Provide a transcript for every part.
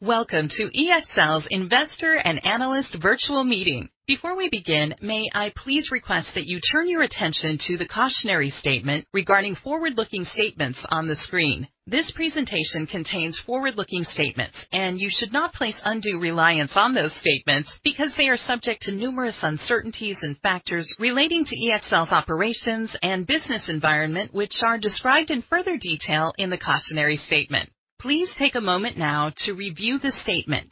Welcome to EXL's Investor and Analyst Virtual Meeting. Before we begin, may I please request that you turn your attention to the cautionary statement regarding forward-looking statements on the screen. This presentation contains forward-looking statements, and you should not place undue reliance on those statements because they are subject to numerous uncertainties and factors relating to EXL's operations and business environment, which are described in further detail in the cautionary statement. Please take a moment now to review the statement.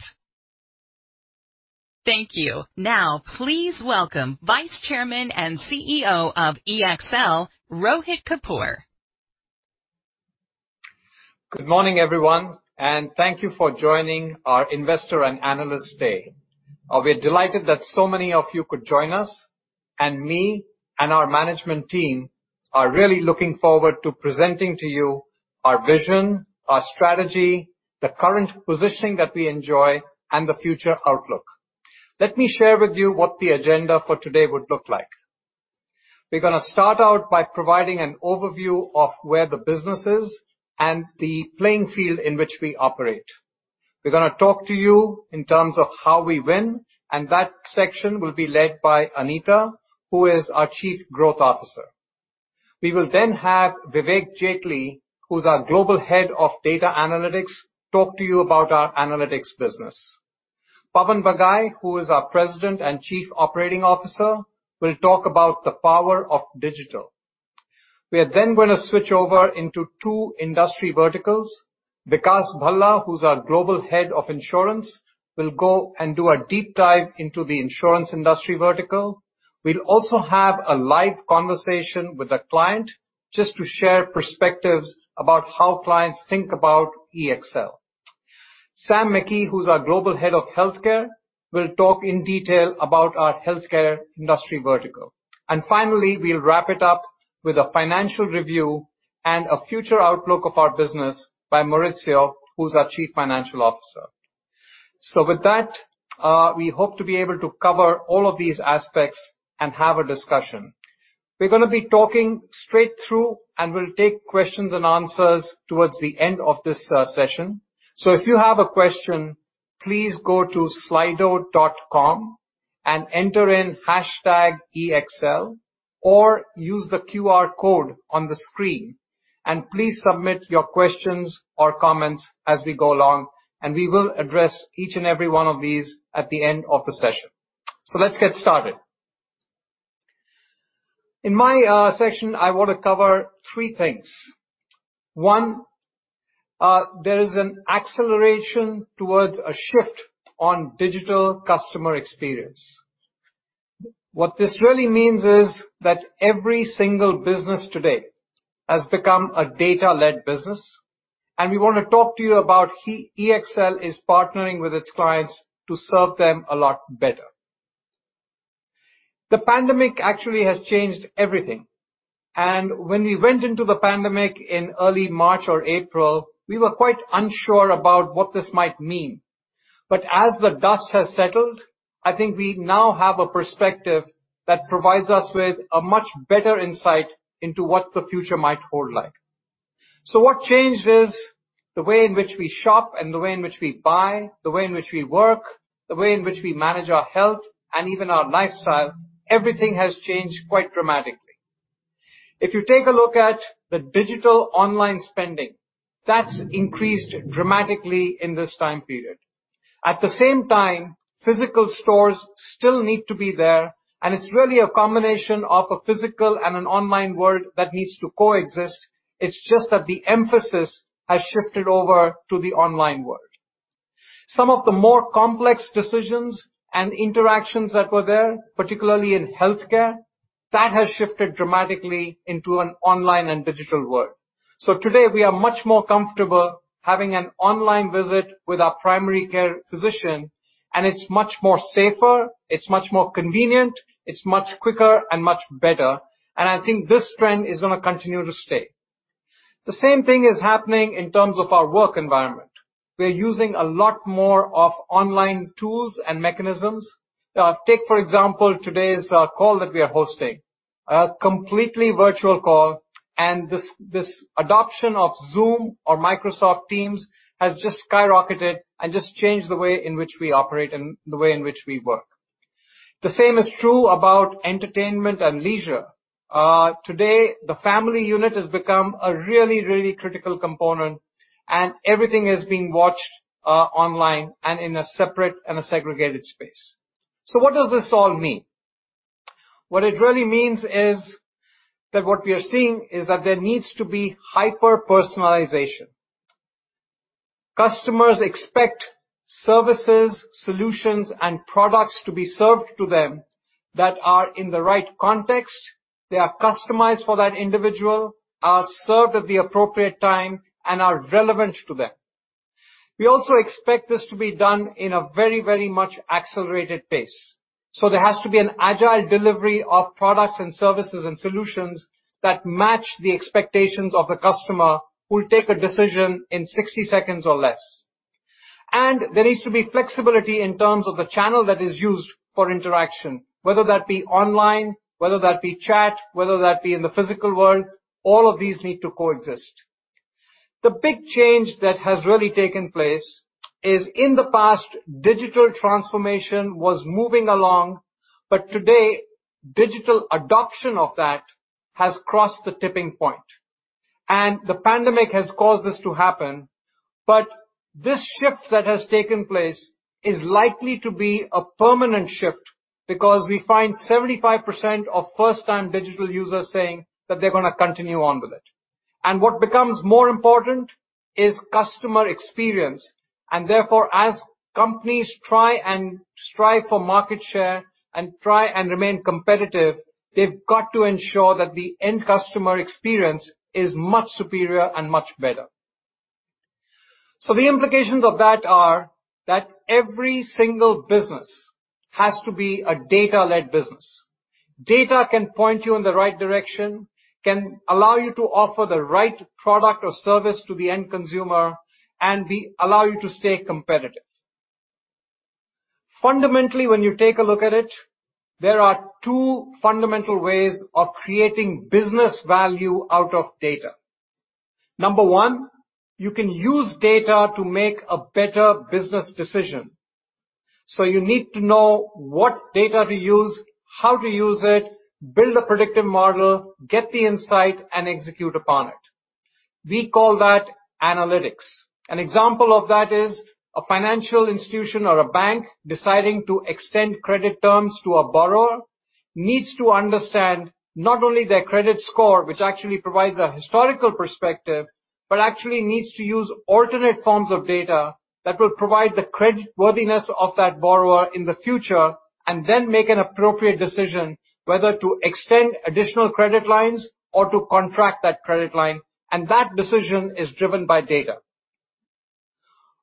Thank you. Now, please welcome Vice Chairman and CEO of EXL, Rohit Kapoor. Good morning, everyone, and thank you for joining our Investor and Analyst Day. We're delighted that so many of you could join us, and me and our management team are really looking forward to presenting to you our vision, our strategy, the current positioning that we enjoy, and the future outlook. Let me share with you what the agenda for today would look like. We're gonna start out by providing an overview of where the business is and the playing field in which we operate. We're gonna talk to you in terms of how we win, and that section will be led by Anita, who is our Chief Growth Officer. We will then have Vivek Jetley, who's our Global Head of Data Analytics, talk to you about our analytics business. Pavan Bagai, who is our President and Chief Operating Officer, will talk about the power of digital. We are then gonna switch over into two industry verticals. Vikas Bhalla, who's our Global Head of Insurance, will go and do a deep dive into the insurance industry vertical. We'll also have a live conversation with a client just to share perspectives about how clients think about EXL. Sam McKee, who's our Global Head of Healthcare, will talk in detail about our healthcare industry vertical. Finally, we'll wrap it up with a financial review and a future outlook of our business by Maurizio, who's our Chief Financial Officer. With that, we hope to be able to cover all of these aspects and have a discussion. We're gonna be talking straight through and we'll take questions-and-answers towards the end of this session. If you have a question, please go to slido.com and enter in #EXL or use the QR code on the screen, and please submit your questions or comments as we go along, and we will address each and every one of these at the end of the session. Let's get started. In my section, I want to cover three things. One, there is an acceleration towards a shift on digital customer experience. What this really means is that every single business today has become a data-led business, and we wanna talk to you about EXL is partnering with its clients to serve them a lot better. The pandemic actually has changed everything, and when we went into the pandemic in early March or April, we were quite unsure about what this might mean. As the dust has settled, I think we now have a perspective that provides us with a much better insight into what the future might hold like. What changed is the way in which we shop and the way in which we buy, the way in which we work, the way in which we manage our health, and even our lifestyle. Everything has changed quite dramatically. If you take a look at the digital online spending, that's increased dramatically in this time period. At the same time, physical stores still need to be there, and it's really a combination of a physical and an online world that needs to coexist. It's just that the emphasis has shifted over to the online world. Some of the more complex decisions and interactions that were there, particularly in healthcare, that has shifted dramatically into an online and digital world. Today, we are much more comfortable having an online visit with our primary care physician, and it's much more safer, it's much more convenient, it's much quicker, and much better. I think this trend is gonna continue to stay. The same thing is happening in terms of our work environment. We are using a lot more of online tools and mechanisms. Take, for example, today's call that we are hosting. A completely virtual call, this adoption of Zoom or Microsoft Teams has just skyrocketed and just changed the way in which we operate and the way in which we work. The same is true about entertainment and leisure. Today, the family unit has become a really critical component and everything is being watched online and in a separate and a segregated space. What does this all mean? What it really means is that what we are seeing is that there needs to be hyper-personalization. Customers expect services, solutions, and products to be served to them that are in the right context, they are customized for that individual, are served at the appropriate time, and are relevant to them. We also expect this to be done in a very, very much accelerated pace. There has to be an agile delivery of products and services and solutions that match the expectations of the customer who will take a decision in 60 seconds or less. There needs to be flexibility in terms of the channel that is used for interaction, whether that be online, whether that be chat, whether that be in the physical world. All of these need to coexist. The big change that has really taken place is, in the past, digital transformation was moving along, today, digital adoption of that has crossed the tipping point. The pandemic has caused this to happen, this shift that has taken place is likely to be a permanent shift because we find 75% of first-time digital users saying that they're going to continue on with it. What becomes more important is customer experience. Therefore, as companies try and strive for market share and try and remain competitive, they've got to ensure that the end customer experience is much superior and much better. The implications of that are that every single business has to be a data-led business. Data can point you in the right direction, can allow you to offer the right product or service to the end consumer, and allow you to stay competitive. Fundamentally, when you take a look at it, there are two fundamental ways of creating business value out of data. Number one, you can use data to make a better business decision. You need to know what data to use, how to use it, build a predictive model, get the insight, and execute upon it. We call that analytics. An example of that is a financial institution or a bank deciding to extend credit terms to a borrower needs to understand not only their credit score, which actually provides a historical perspective, but actually needs to use alternate forms of data that will provide the credit worthiness of that borrower in the future, and then make an appropriate decision whether to extend additional credit lines or to contract that credit line, and that decision is driven by data.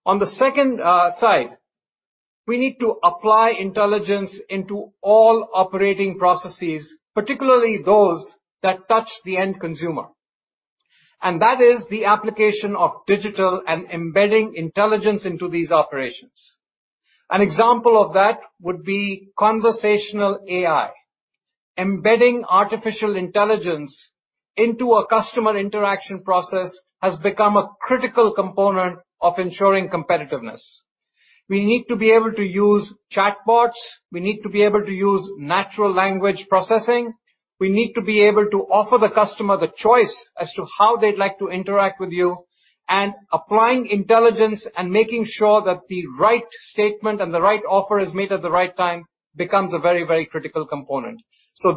On the second side, we need to apply intelligence into all operating processes, particularly those that touch the end consumer. That is the application of digital and embedding intelligence into these operations. An example of that would be conversational AI. Embedding artificial intelligence into a customer interaction process has become a critical component of ensuring competitiveness. We need to be able to use chatbots, we need to be able to use natural language processing, we need to be able to offer the customer the choice as to how they'd like to interact with you. Applying intelligence and making sure that the right statement and the right offer is made at the right time becomes a very, very critical component.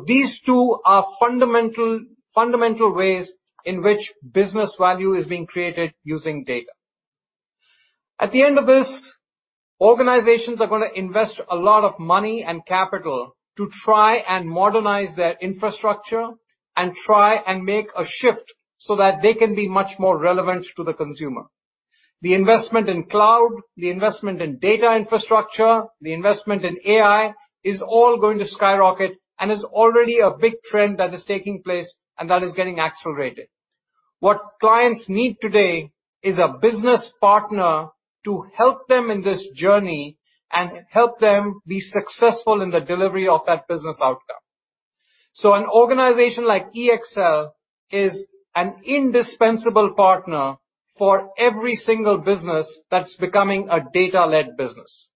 These two are fundamental ways in which business value is being created using data. At the end of this, organizations are going to invest a lot of money and capital to try and modernize their infrastructure and try and make a shift so that they can be much more relevant to the consumer. The investment in cloud, the investment in data infrastructure, the investment in AI is all going to skyrocket and is already a big trend that is taking place and that is getting accelerated. What clients need today is a business partner to help them in this journey and help them be successful in the delivery of that business outcome. An organization like EXL is an indispensable partner for every single business that's becoming a data-led business.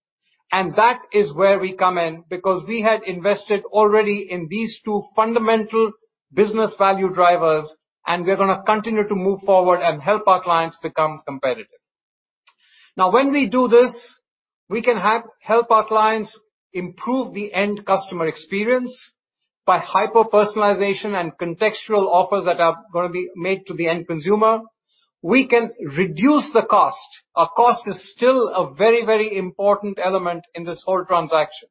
That is where we come in because we had invested already in these two fundamental business value drivers, and we're going to continue to move forward and help our clients become competitive. When we do this, we can help our clients improve the end customer experience by hyper-personalization and contextual offers that are going to be made to the end consumer. We can reduce the cost. A cost is still a very important element in this whole transaction.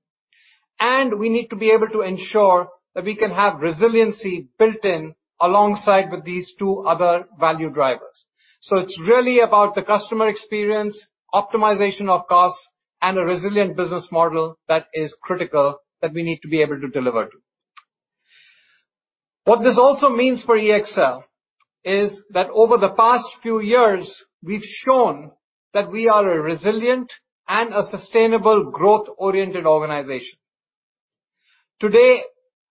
We need to be able to ensure that we can have resiliency built in alongside with these two other value drivers. It's really about the customer experience, optimization of costs, and a resilient business model that is critical that we need to be able to deliver to. What this also means for EXL is that over the past few years, we've shown that we are a resilient and a sustainable growth-oriented organization. Today,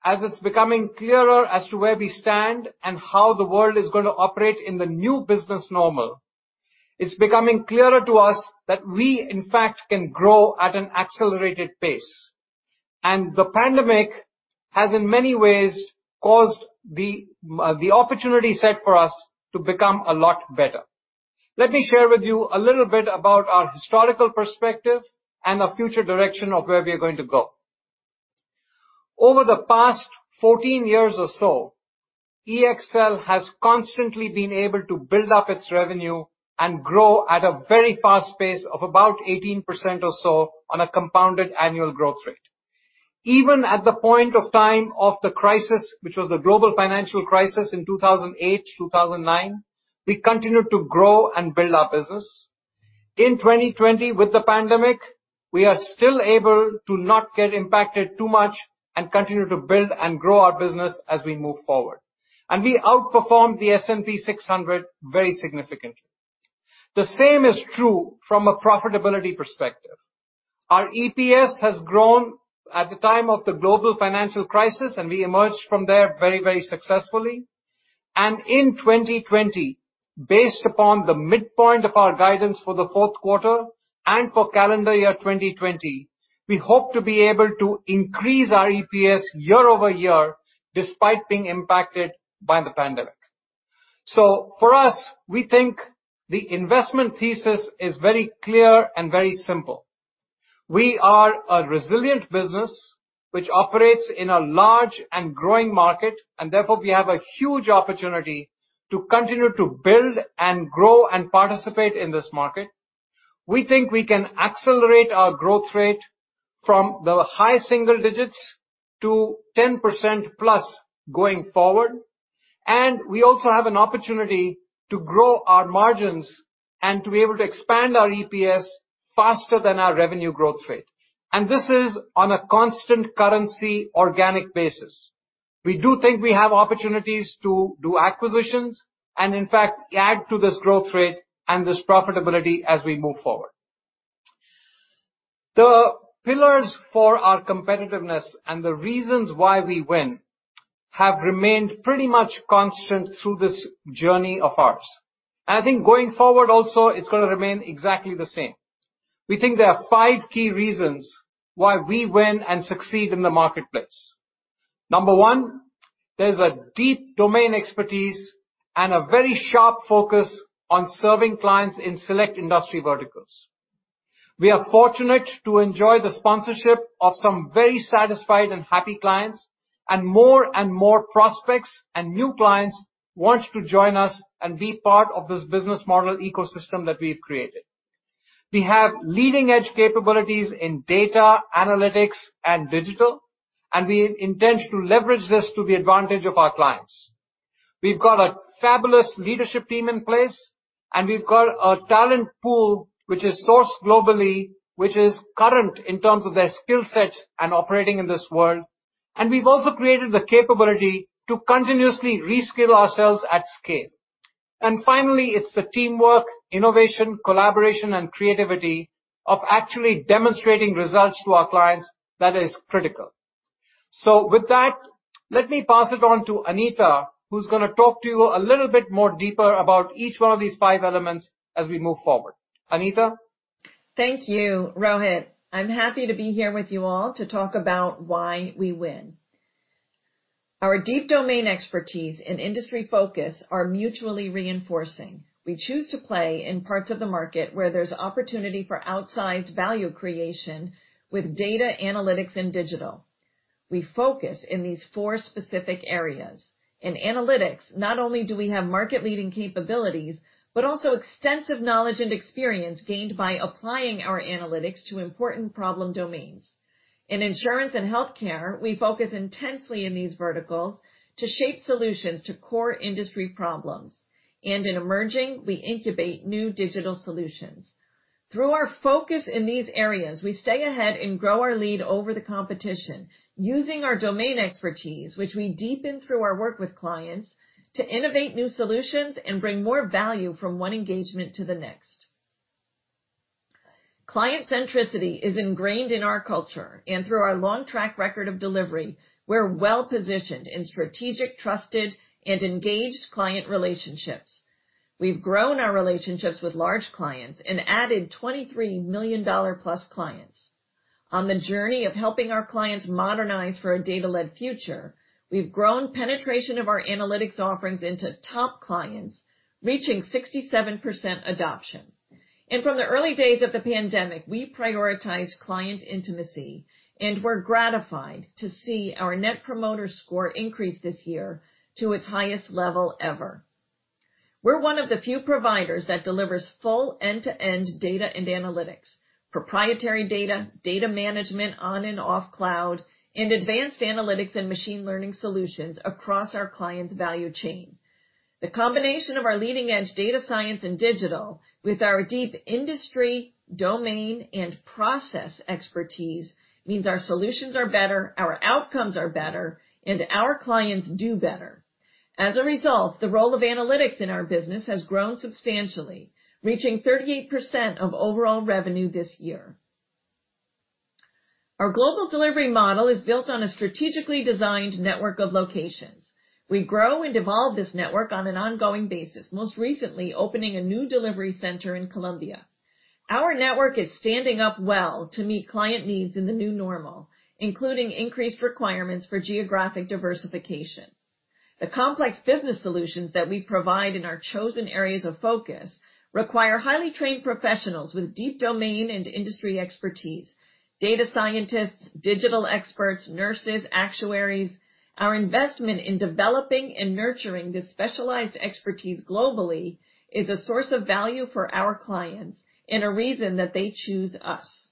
as it's becoming clearer as to where we stand and how the world is going to operate in the new business normal, it's becoming clearer to us that we, in fact, can grow at an accelerated pace. The pandemic has in many ways caused the opportunity set for us to become a lot better. Let me share with you a little bit about our historical perspective and our future direction of where we are going to go. Over the past 14 years or so, EXL has constantly been able to build up its revenue and grow at a very fast pace of about 18% or so on a compounded annual growth rate. Even at the point of time of the crisis, which was the global financial crisis in 2008, 2009, we continued to grow and build our business. In 2020 with the pandemic, we are still able to not get impacted too much and continue to build and grow our business as we move forward. We outperformed the S&P 600 very significantly. The same is true from a profitability perspective. Our EPS has grown at the time of the global financial crisis, and we emerged from there very, very successfully. In 2020, based upon the midpoint of our guidance for the fourth quarter and for calendar year 2020, we hope to be able to increase our EPS year-over-year despite being impacted by the pandemic. For us, we think the investment thesis is very clear and very simple. We are a resilient business which operates in a large and growing market, and therefore we have a huge opportunity to continue to build and grow and participate in this market. We think we can accelerate our growth rate from the high single digits to 10%+ going forward. We also have an opportunity to grow our margins and to be able to expand our EPS faster than our revenue growth rate. This is on a constant currency organic basis. We do think we have opportunities to do acquisitions and in fact, add to this growth rate and this profitability as we move forward. The pillars for our competitiveness and the reasons why we win have remained pretty much constant through this journey of ours. I think going forward also, it's going to remain exactly the same. We think there are five key reasons why we win and succeed in the marketplace. Number one, there's a deep domain expertise and a very sharp focus on serving clients in select industry verticals. We are fortunate to enjoy the sponsorship of some very satisfied and happy clients, more and more prospects and new clients want to join us and be part of this business model ecosystem that we've created. We have leading-edge capabilities in data analytics and digital, we intend to leverage this to the advantage of our clients. We've got a fabulous leadership team in place, we've got a talent pool which is sourced globally, which is current in terms of their skill sets and operating in this world. We've also created the capability to continuously reskill ourselves at scale. Finally, it's the teamwork, innovation, collaboration, and creativity of actually demonstrating results to our clients that is critical. With that, let me pass it on to Anita, who's going to talk to you a little bit more deeper about each one of these five elements as we move forward. Anita? Thank you, Rohit. I'm happy to be here with you all to talk about why we win. Our deep domain expertise and industry focus are mutually reinforcing. We choose to play in parts of the market where there's opportunity for outsized value creation with data analytics and digital. We focus in these four specific areas. In analytics, not only do we have market-leading capabilities, but also extensive knowledge and experience gained by applying our analytics to important problem domains. In Insurance and Healthcare, we focus intensely in these verticals to shape solutions to core industry problems. In Emerging, we incubate new digital solutions. Through our focus in these areas, we stay ahead and grow our lead over the competition using our domain expertise, which we deepen through our work with clients to innovate new solutions and bring more value from one engagement to the next. Client centricity is ingrained in our culture and through our long track record of delivery, we're well-positioned in strategic, trusted, and engaged client relationships. We've grown our relationships with large clients and added 20 $3 million+ clients. On the journey of helping our clients modernize for a data-led future, we've grown penetration of our analytics offerings into top clients, reaching 67% adoption. From the early days of the pandemic, we prioritized client intimacy, and we're gratified to see our Net Promoter Score increase this year to its highest level ever. We're one of the few providers that delivers full end-to-end data and analytics, proprietary data management on and off cloud, and advanced analytics and machine learning solutions across our clients' value chain. The combination of our leading-edge data science and digital with our deep industry, domain, and process expertise means our solutions are better, our outcomes are better, and our clients do better. As a result, the role of analytics in our business has grown substantially, reaching 38% of overall revenue this year. Our global delivery model is built on a strategically designed network of locations. We grow and evolve this network on an ongoing basis, most recently opening a new delivery center in Colombia. Our network is standing up well to meet client needs in the new normal, including increased requirements for geographic diversification. The complex business solutions that we provide in our chosen areas of focus require highly trained professionals with deep domain and industry expertise, data scientists, digital experts, nurses, actuaries. Our investment in developing and nurturing this specialized expertise globally is a source of value for our clients and a reason that they choose us.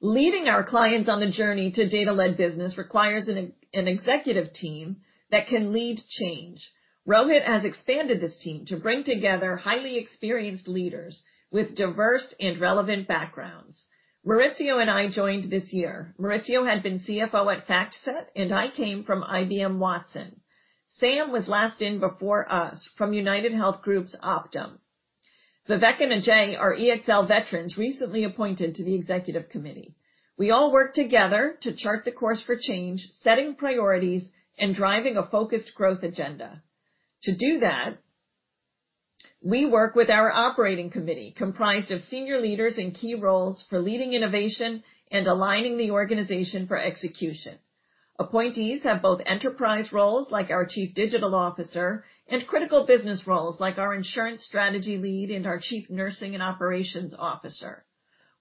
Leading our clients on the journey to data-led business requires an executive team that can lead change. Rohit has expanded this team to bring together highly experienced leaders with diverse and relevant backgrounds. Maurizio and I joined this year. Maurizio had been CFO at FactSet, and I came from IBM Watson. Sam was last in before us from UnitedHealth Group's Optum. Vivek and Ajay are EXL veterans recently appointed to the executive committee. We all work together to chart the course for change, setting priorities, and driving a focused growth agenda. To do that, we work with our operating committee, comprised of senior leaders in key roles for leading innovation and aligning the organization for execution. Appointees have both enterprise roles, like our chief digital officer, and critical business roles, like our insurance strategy lead and our chief nursing and operations officer.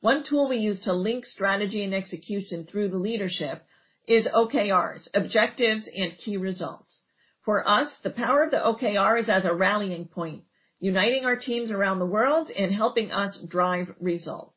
One tool we use to link strategy and execution through the leadership is OKRs, objectives and key results. For us, the power of the OKR is as a rallying point, uniting our teams around the world and helping us drive results.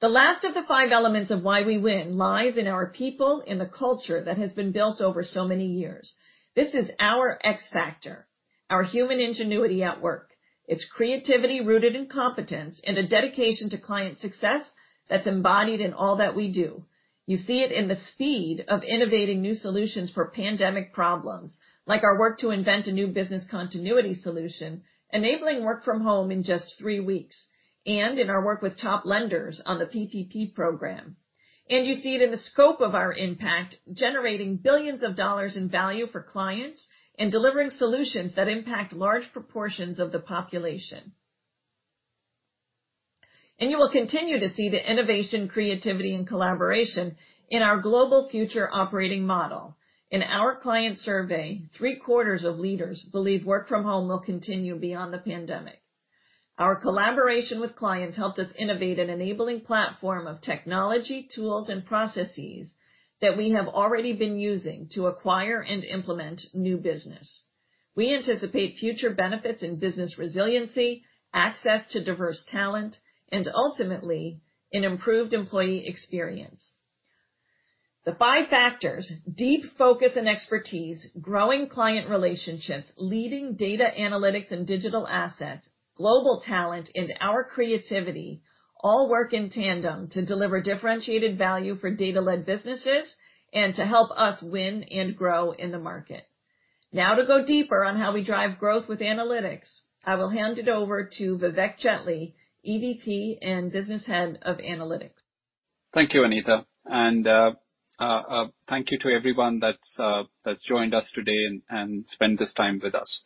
The last of the five elements of why we win lies in our people and the culture that has been built over so many years. This is our X factor, our human ingenuity at work. It's creativity rooted in competence and a dedication to client success that's embodied in all that we do. You see it in the speed of innovating new solutions for pandemic problems, like our work to invent a new business continuity solution, enabling work from home in just three weeks, and in our work with top lenders on the PPP program. You see it in the scope of our impact, generating billions of dollars in value for clients and delivering solutions that impact large proportions of the population. You will continue to see the innovation, creativity, and collaboration in our global future operating model. In our client survey, three-quarters of leaders believe work from home will continue beyond the pandemic. Our collaboration with clients helped us innovate an enabling platform of technology, tools, and processes that we have already been using to acquire and implement new business. We anticipate future benefits in business resiliency, access to diverse talent, and ultimately an improved employee experience. The five factors, deep focus and expertise, growing client relationships, leading data analytics and digital assets, global talent, and our creativity all work in tandem to deliver differentiated value for data-led businesses and to help us win and grow in the market. Now to go deeper on how we drive growth with analytics, I will hand it over to Vivek Jetley, EVP and Business Head of Analytics. Thank you, Anita. Thank you to everyone that's joined us today and spend this time with us.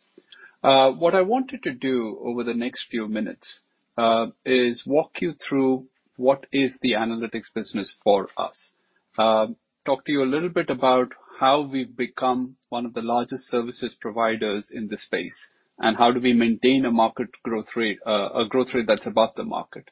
What I wanted to do over the next few minutes is walk you through what is the analytics business for us. Talk to you a little bit about how we've become one of the largest services providers in this space, and how do we maintain a growth rate that's above the market.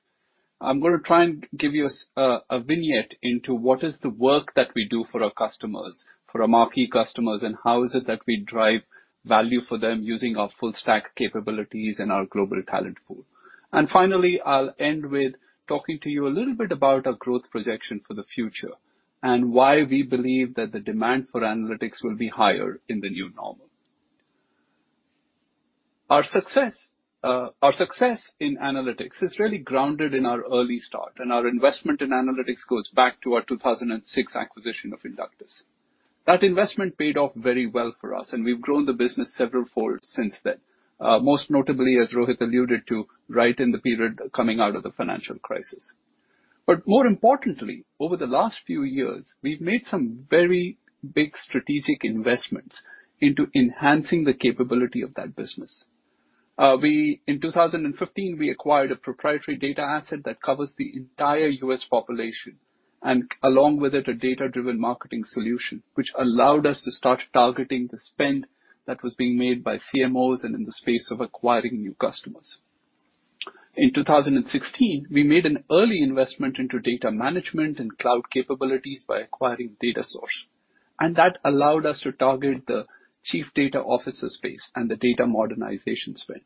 I'm going to try and give you a vignette into what is the work that we do for our customers, for our marquee customers, and how is it that we drive value for them using our full stack capabilities and our global talent pool. Finally, I'll end with talking to you a little bit about our growth projection for the future and why we believe that the demand for analytics will be higher in the new normal. Our success in analytics is really grounded in our early start. Our investment in analytics goes back to our 2006 acquisition of Inductis. That investment paid off very well for us. We've grown the business several folds since then. Most notably, as Rohit alluded to, right in the period coming out of the financial crisis. More importantly, over the last few years, we've made some very big strategic investments into enhancing the capability of that business. In 2015, we acquired a proprietary data asset that covers the entire U.S. population. Along with it, a data-driven marketing solution, which allowed us to start targeting the spend that was being made by CMOs and in the space of acquiring new customers. In 2016, we made an early investment into data management and cloud capabilities by acquiring Datasource. That allowed us to target the chief data officer space and the data modernization spend.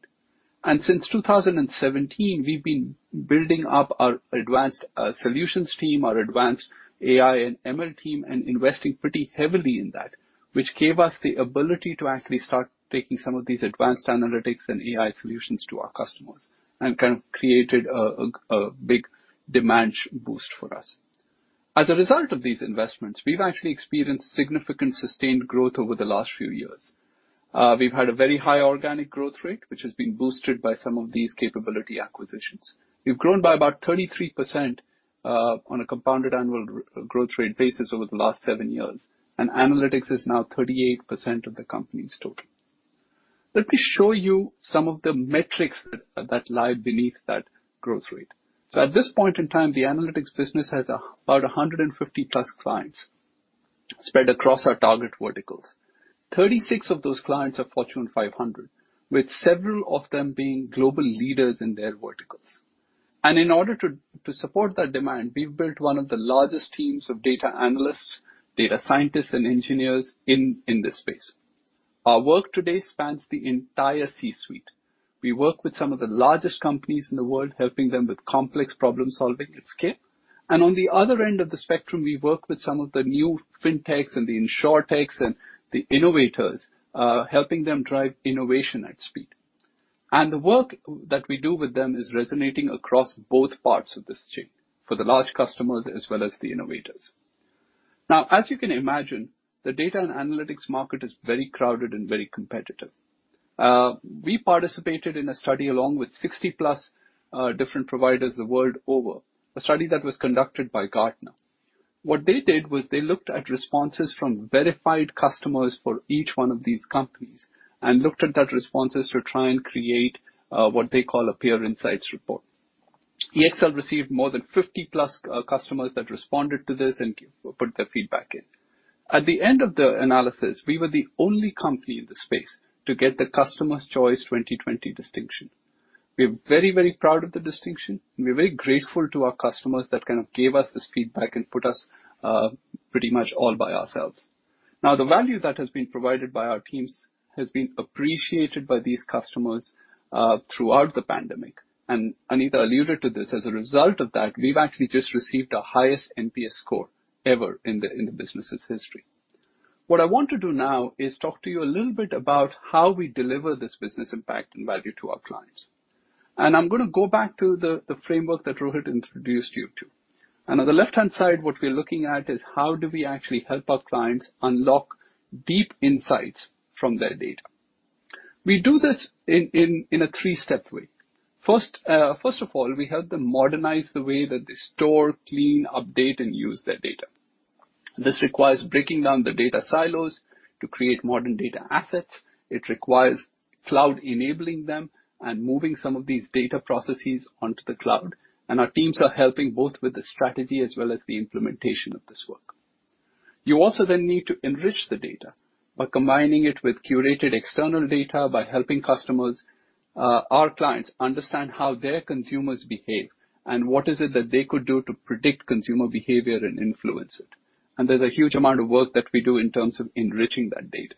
Since 2017, we've been building up our advanced solutions team, our advanced AI and ML team, and investing pretty heavily in that, which gave us the ability to actually start taking some of these advanced analytics and AI solutions to our customers and kind of created a big demand boost for us. As a result of these investments, we've actually experienced significant sustained growth over the last few years. We've had a very high organic growth rate, which has been boosted by some of these capability acquisitions. We've grown by about 33% on a compounded annual growth rate basis over the last seven years. Analytics is now 38% of the company's total. Let me show you some of the metrics that lie beneath that growth rate. At this point in time, the analytics business has about 150+ clients spread across our target verticals. 36 of those clients are Fortune 500, with several of them being global leaders in their verticals. In order to support that demand, we've built one of the largest teams of data analysts, data scientists, and engineers in this space. Our work today spans the entire C-suite. We work with some of the largest companies in the world, helping them with complex problem-solving at scale. On the other end of the spectrum, we work with some of the new fintechs and the insurtechs and the innovators, helping them drive innovation at speed. The work that we do with them is resonating across both parts of this chain, for the large customers as well as the innovators. Now, as you can imagine, the data and analytics market is very crowded and very competitive. We participated in a study along with 60+ different providers the world over, a study that was conducted by Gartner. What they did was they looked at responses from verified customers for each one of these companies and looked at that responses to try and create what they call a Peer Insights report. EXL received more than 50+ customers that responded to this and put their feedback in. At the end of the analysis, we were the only company in the space to get the Customers' Choice 2020 distinction. We're very proud of the distinction, and we're very grateful to our customers that gave us this feedback and put us pretty much all by ourselves. Now, the value that has been provided by our teams has been appreciated by these customers throughout the pandemic, and Anita alluded to this. As a result of that, we've actually just received our highest NPS score ever in the business's history. What I want to do now is talk to you a little bit about how we deliver this business impact and value to our clients. I'm going to go back to the framework that Rohit introduced you to. On the left-hand side, what we're looking at is how do we actually help our clients unlock deep insights from their data. We do this in a three-step way. First of all, we help them modernize the way that they store, clean, update, and use their data. This requires breaking down the data silos to create modern data assets. It requires cloud enabling them and moving some of these data processes onto the cloud, and our teams are helping both with the strategy as well as the implementation of this work. You also then need to enrich the data by combining it with curated external data, by helping customers, our clients, understand how their consumers behave and what is it that they could do to predict consumer behavior and influence it. There's a huge amount of work that we do in terms of enriching that data.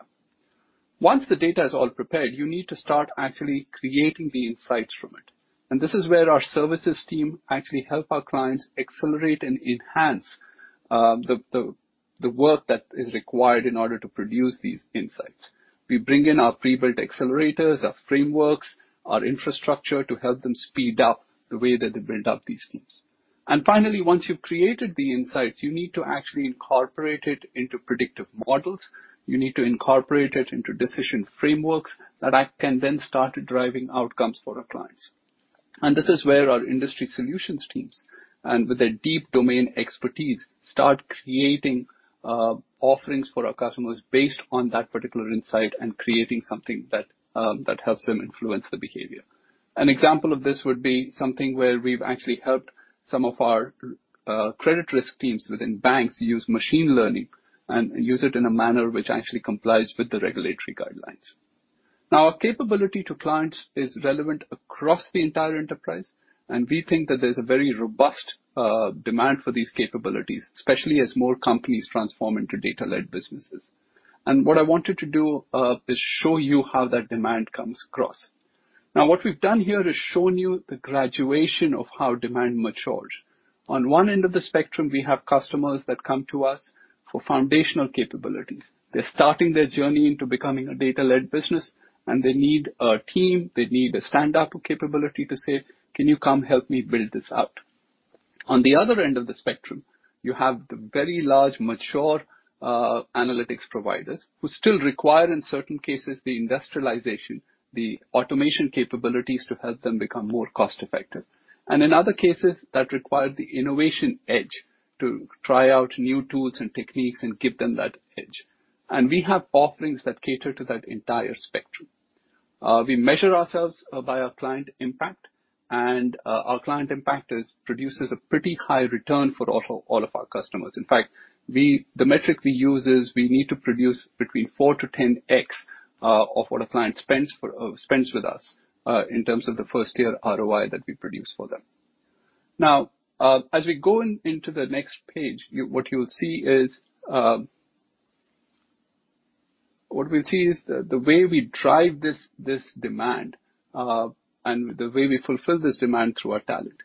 Once the data is all prepared, you need to start actually creating the insights from it. This is where our services team actually help our clients accelerate and enhance the work that is required in order to produce these insights. We bring in our pre-built accelerators, our frameworks, our infrastructure to help them speed up the way that they build up these teams. Finally, once you've created the insights, you need to actually incorporate it into predictive models. You need to incorporate it into decision frameworks that can then start driving outcomes for our clients. This is where our industry solutions teams, and with their deep domain expertise, start creating offerings for our customers based on that particular insight and creating something that helps them influence the behavior. An example of this would be something where we've actually helped some of our credit risk teams within banks use machine learning and use it in a manner which actually complies with the regulatory guidelines. Now, our capability to clients is relevant across the entire enterprise, and we think that there's a very robust demand for these capabilities, especially as more companies transform into data-led businesses. What I wanted to do is show you how that demand comes across. Now, what we've done here is shown you the graduation of how demand matures. On one end of the spectrum, we have customers that come to us for foundational capabilities. They're starting their journey into becoming a data-led business, and they need a team. They need a standup capability to say, "Can you come help me build this out?" On the other end of the spectrum, you have the very large, mature analytics providers who still require, in certain cases, the industrialization, the automation capabilities to help them become more cost-effective. In other cases, that require the innovation edge to try out new tools and techniques and give them that edge. We have offerings that cater to that entire spectrum. We measure ourselves by our client impact, and our client impact produces a pretty high return for all of our customers. In fact, the metric we use is we need to produce between 4x-10x of what a client spends with us in terms of the first-year ROI that we produce for them. As we go into the next page, what we'll see is the way we drive this demand, and the way we fulfill this demand through our talent.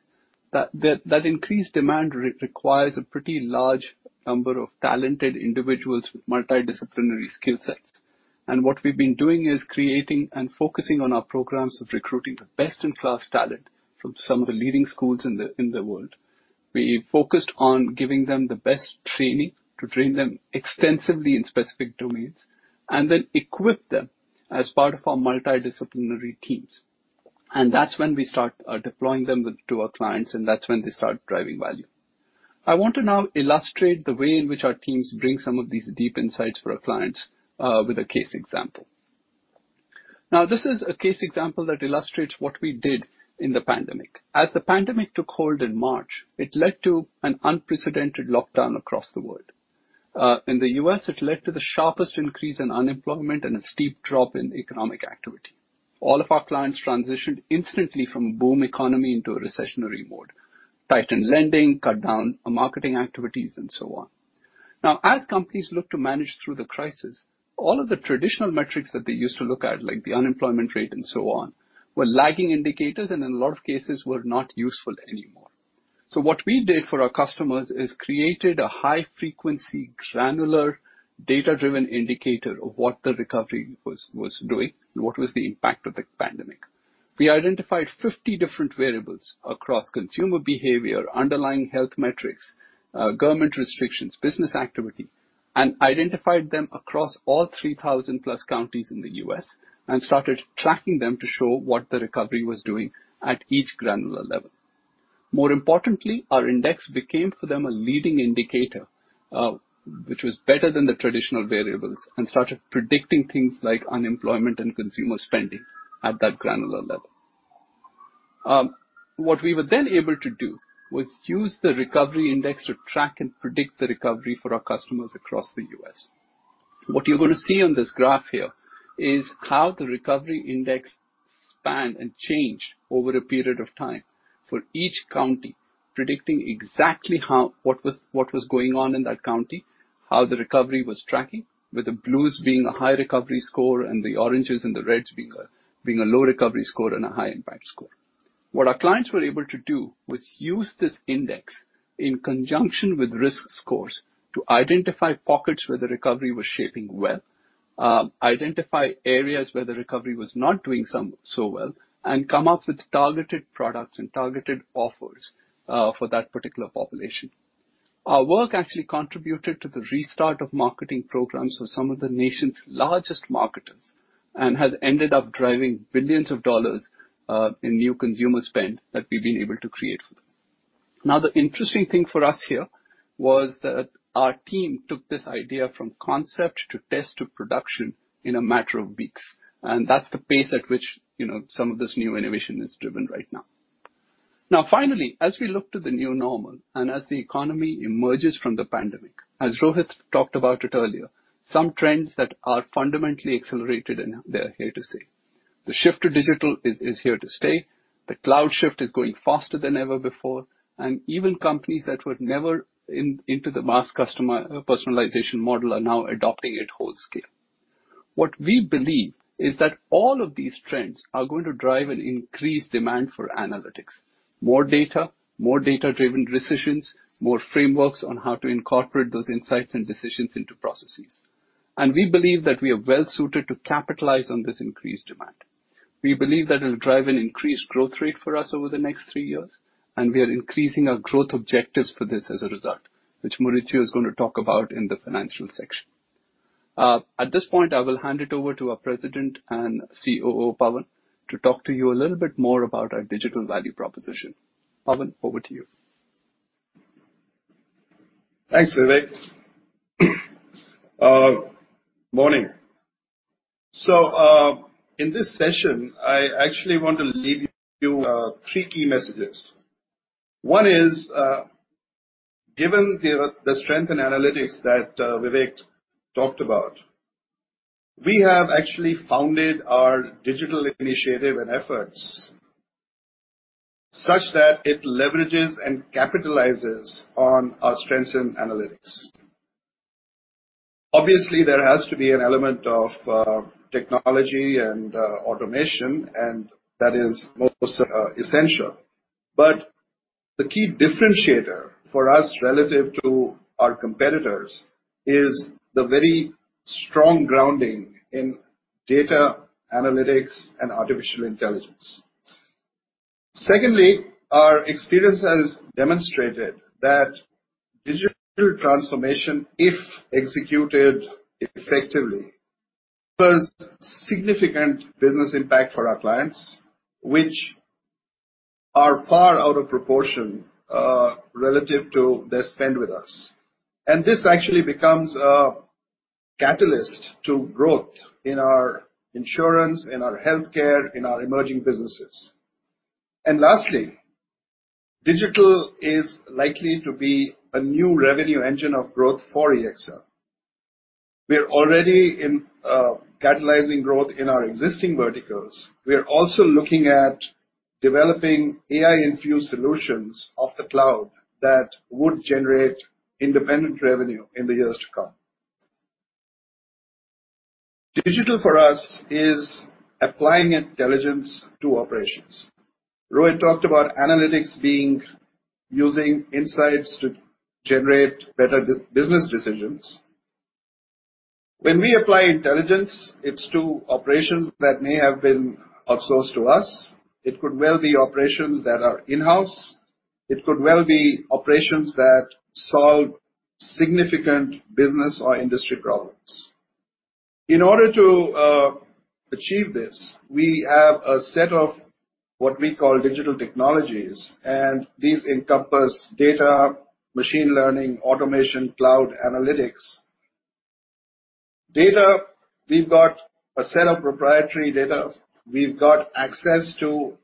That increased demand requires a pretty large number of talented individuals with multidisciplinary skill sets. What we've been doing is creating and focusing on our programs of recruiting the best-in-class talent from some of the leading schools in the world. We focused on giving them the best training to train them extensively in specific domains, and then equip them as part of our multidisciplinary teams. That's when we start deploying them to our clients, that's when they start driving value. I want to now illustrate the way in which our teams bring some of these deep insights for our clients with a case example. This is a case example that illustrates what we did in the pandemic. As the pandemic took hold in March, it led to an unprecedented lockdown across the world. In the U.S., it led to the sharpest increase in unemployment and a steep drop in economic activity. All of our clients transitioned instantly from a boom economy into a recessionary mode, tightened lending, cut down marketing activities, and so on. As companies look to manage through the crisis, all of the traditional metrics that they used to look at, like the unemployment rate and so on, were lagging indicators, and in a lot of cases, were not useful anymore. What we did for our customers is created a high frequency, granular data-driven indicator of what the recovery was doing and what was the impact of the pandemic. We identified 50 different variables across consumer behavior, underlying health metrics, government restrictions, business activity, and identified them across all 3,000+ counties in the U.S. and started tracking them to show what the recovery was doing at each granular level. More importantly, our index became for them a leading indicator, which was better than the traditional variables, and started predicting things like unemployment and consumer spending at that granular level. What we were then able to do was use the recovery index to track and predict the recovery for our customers across the U.S. What you're going to see on this graph here is how the recovery index spanned and changed over a period of time for each county, predicting exactly what was going on in that county, how the recovery was tracking, with the blues being a high recovery score and the oranges and the reds being a low recovery score and a high impact score. What our clients were able to do was use this index in conjunction with risk scores to identify pockets where the recovery was shaping well, identify areas where the recovery was not doing so well, and come up with targeted products and targeted offers for that particular population. Our work actually contributed to the restart of marketing programs for some of the nation's largest marketers and has ended up driving billions of dollars in new consumer spend that we've been able to create for them. The interesting thing for us here was that our team took this idea from concept to test to production in a matter of weeks, that's the pace at which some of this new innovation is driven right now. Finally, as we look to the new normal and as the economy emerges from the pandemic, as Rohit talked about it earlier, some trends that are fundamentally accelerated, they're here to stay. The shift to digital is here to stay. The cloud shift is going faster than ever before, even companies that were never into the mass personalization model are now adopting it whole scale. What we believe is that all of these trends are going to drive an increased demand for analytics, more data, more data-driven decisions, more frameworks on how to incorporate those insights and decisions into processes. We believe that we are well-suited to capitalize on this increased demand. We believe that it'll drive an increased growth rate for us over the next three years, and we are increasing our growth objectives for this as a result, which Maurizio is going to talk about in the financial section. At this point, I will hand it over to our President and COO, Pavan, to talk to you a little bit more about our digital value proposition. Pavan, over to you. Thanks, Vivek. Morning. In this session, I actually want to leave you three key messages. One is, given the strength in analytics that Vivek talked about, we have actually founded our digital initiative and efforts such that it leverages and capitalizes on our strengths in analytics. Obviously, there has to be an element of technology and automation, and that is most essential. The key differentiator for us relative to our competitors is the very strong grounding in data analytics and artificial intelligence. Secondly, our experience has demonstrated that digital transformation, if executed effectively, brings significant business impact for our clients, which are far out of proportion relative to their spend with us. This actually becomes a catalyst to growth in our insurance, in our healthcare, in our emerging businesses. Lastly, digital is likely to be a new revenue engine of growth for EXL. We're already catalyzing growth in our existing verticals. We are also looking at developing AI-infused solutions off the cloud that would generate independent revenue in the years to come. Digital for us is applying intelligence to operations. Rohit talked about analytics being using insights to generate better business decisions. When we apply intelligence, it's to operations that may have been outsourced to us. It could well be operations that are in-house. It could well be operations that solve significant business or industry problems. In order to achieve this, we have a set of what we call digital technologies, and these encompass data, machine learning, automation, cloud analytics. Data, we've got a set of proprietary data. We've got access to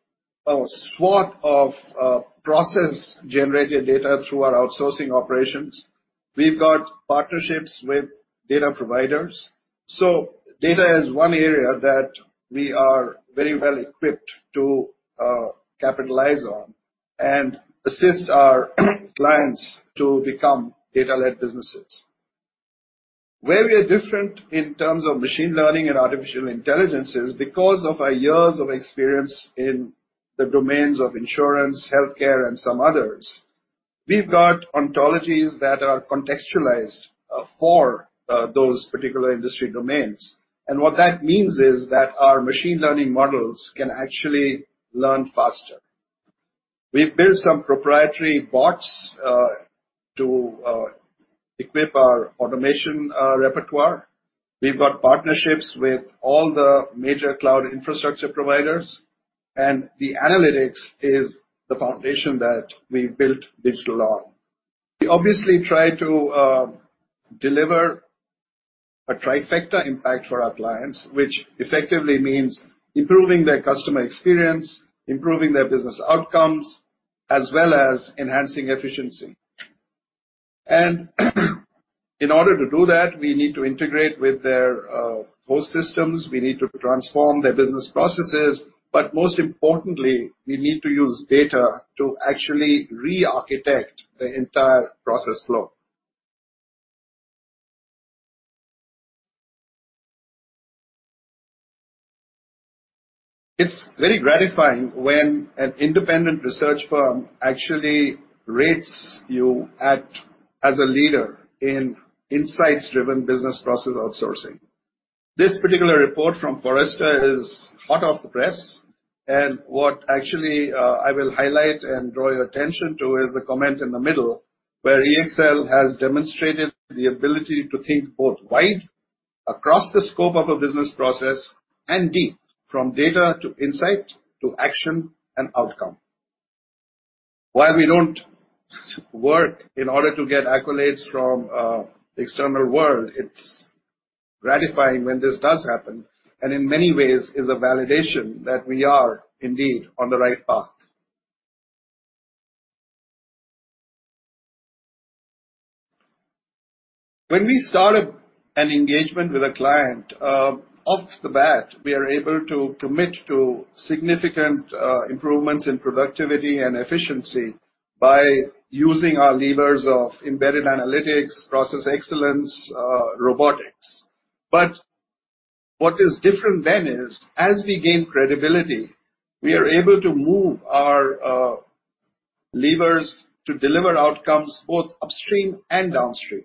a swath of process-generated data through our outsourcing operations. We've got partnerships with data providers. Data is one area that we are very well equipped to capitalize on and assist our clients to become data-led businesses. Where we are different in terms of machine learning and artificial intelligence is because of our years of experience in the domains of insurance, healthcare, and some others. We've got ontologies that are contextualized for those particular industry domains. What that means is that our machine learning models can actually learn faster. We've built some proprietary bots to equip our automation repertoire. We've got partnerships with all the major cloud infrastructure providers, and the analytics is the foundation that we built digital on. We obviously try to deliver a trifecta impact for our clients, which effectively means improving their customer experience, improving their business outcomes, as well as enhancing efficiency. In order to do that, we need to integrate with their core systems. We need to transform their business processes, but most importantly, we need to use data to actually re-architect the entire process flow. It's very gratifying when an independent research firm actually rates you as a leader in insights-driven business process outsourcing. This particular report from Forrester is hot off the press, and what actually I will highlight and draw your attention to is the comment in the middle, where EXL has demonstrated the ability to think both wide across the scope of a business process and deep from data to insight to action and outcome. While we don't work in order to get accolades from the external world, it's gratifying when this does happen, and in many ways is a validation that we are indeed on the right path. When we start an engagement with a client, off the bat, we are able to commit to significant improvements in productivity and efficiency by using our levers of embedded analytics, process excellence, robotics. What is different then is as we gain credibility, we are able to move our levers to deliver outcomes both upstream and downstream.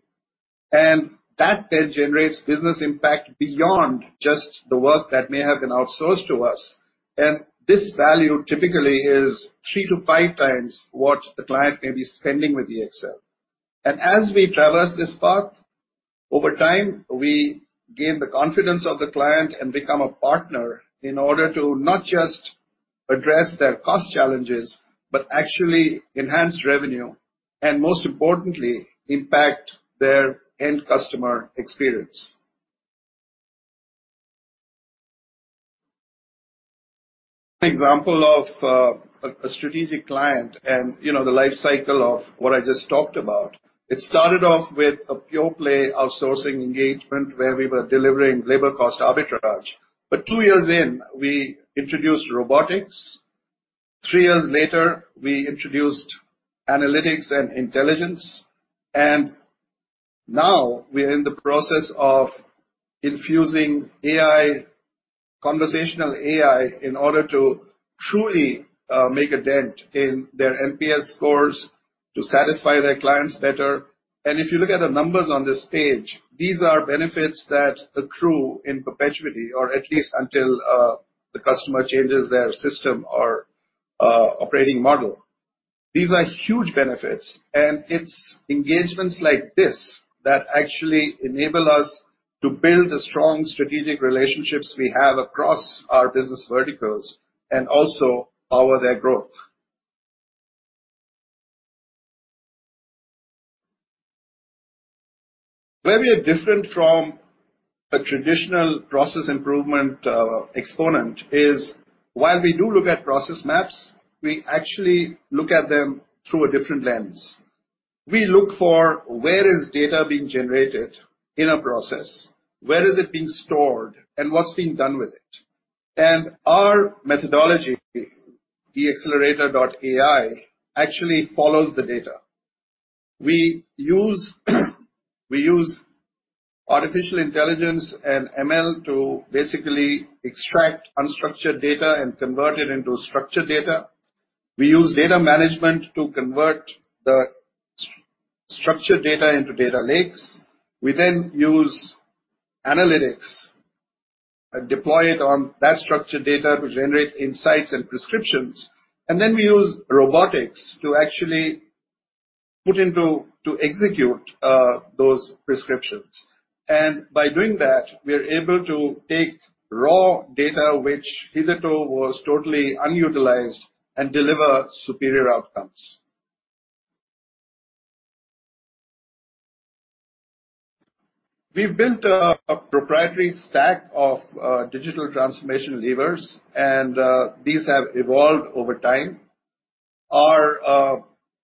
That then generates business impact beyond just the work that may have been outsourced to us. This value typically is 3x-5x what the client may be spending with EXL. As we traverse this path, over time, we gain the confidence of the client and become a partner in order to not just address their cost challenges, but actually enhance revenue and most importantly, impact their end customer experience. An example of a strategic client and the life cycle of what I just talked about. It started off with a pure play outsourcing engagement where we were delivering labor cost arbitrage. Two years in, we introduced robotics. Three years later, we introduced analytics and intelligence. Now we are in the process of infusing conversational AI in order to truly make a dent in their NPS scores to satisfy their clients better. If you look at the numbers on this page, these are benefits that accrue in perpetuity or at least until the customer changes their system or operating model. These are huge benefits, and it's engagements like this that actually enable us to build the strong strategic relationships we have across our business verticals and also power their growth. Where we are different from a traditional process improvement exponent is while we do look at process maps, we actually look at them through a different lens. We look for where is data being generated in a process, where is it being stored, and what's being done with it? Our methodology, EXLERATOR.AI, actually follows the data. We use artificial intelligence and ML to basically extract unstructured data and convert it into structured data. We use data management to convert the structured data into data lakes. We use analytics and deploy it on that structured data to generate insights and prescriptions. We use robotics to actually put into execute those prescriptions. By doing that, we are able to take raw data, which hitherto was totally unutilized, and deliver superior outcomes. We've built a proprietary stack of digital transformation levers, and these have evolved over time. Our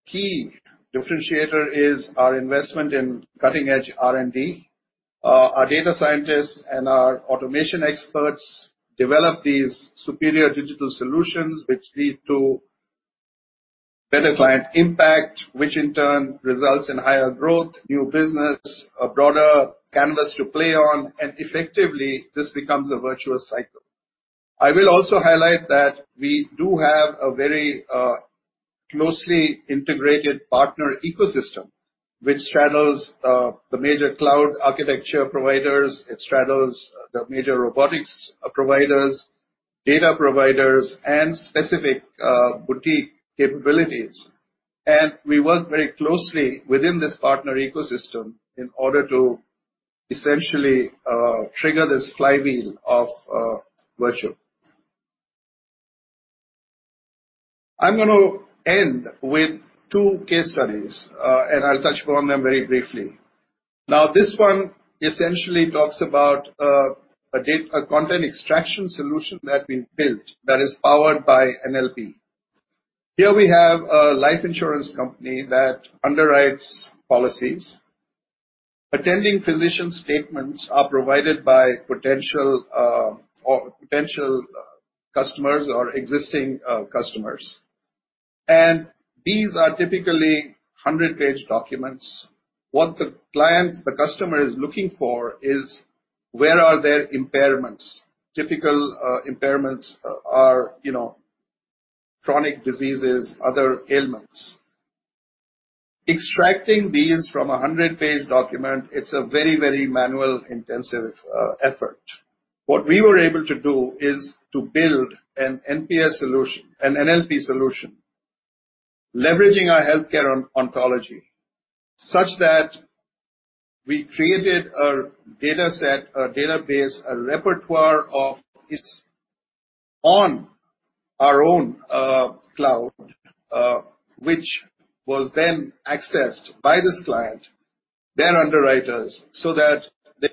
key differentiator is our investment in cutting-edge R&D. Our data scientists and our automation experts develop these superior digital solutions which lead to better client impact, which in turn results in higher growth, new business, a broader canvas to play on, and effectively, this becomes a virtuous cycle. I will also highlight that we do have a very closely integrated partner ecosystem, which straddles the major cloud architecture providers, it straddles the major robotics providers, data providers, and specific boutique capabilities. We work very closely within this partner ecosystem in order to essentially, trigger this flywheel of virtue. I'm going to end with two case studies. I'll touch upon them very briefly. This one essentially talks about a content extraction solution that we built that is powered by NLP. Here we have a life insurance company that underwrites policies. Attending physician statements are provided by potential customers or existing customers. These are typically 100-page documents. What the client, the customer, is looking for is: where are their impairments? Typical impairments are chronic diseases, other ailments. Extracting these from a 100-page document, it's a very manual, intensive effort. What we were able to do is to build an NLP solution, leveraging our healthcare ontology, such that we created a dataset, a database, a repertoire of this on our own cloud, which was then accessed by this client, their underwriters, so that they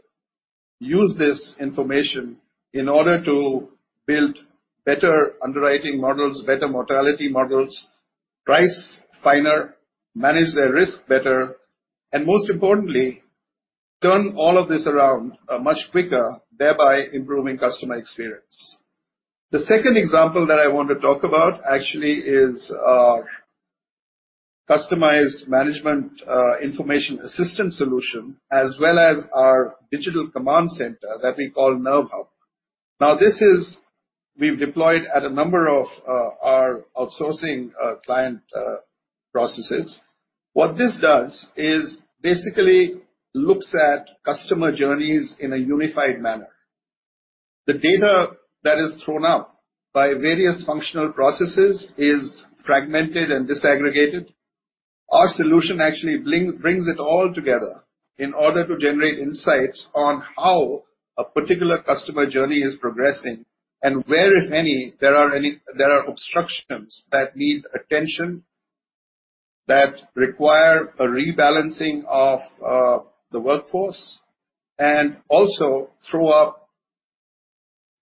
use this information in order to build better underwriting models, better mortality models, price finer, manage their risk better, and most importantly, turn all of this around much quicker, thereby improving customer experience. The second example that I want to talk about actually is our customized management information system solution, as well as our digital command center that we call NerveHub. Now, this is we've deployed at a number of our outsourcing client processes. What this does is basically looks at customer journeys in a unified manner. The data that is thrown up by various functional processes is fragmented and disaggregated. Our solution actually brings it all together in order to generate insights on how a particular customer journey is progressing and where, if any, there are obstructions that need attention, that require a rebalancing of the workforce, and also throw up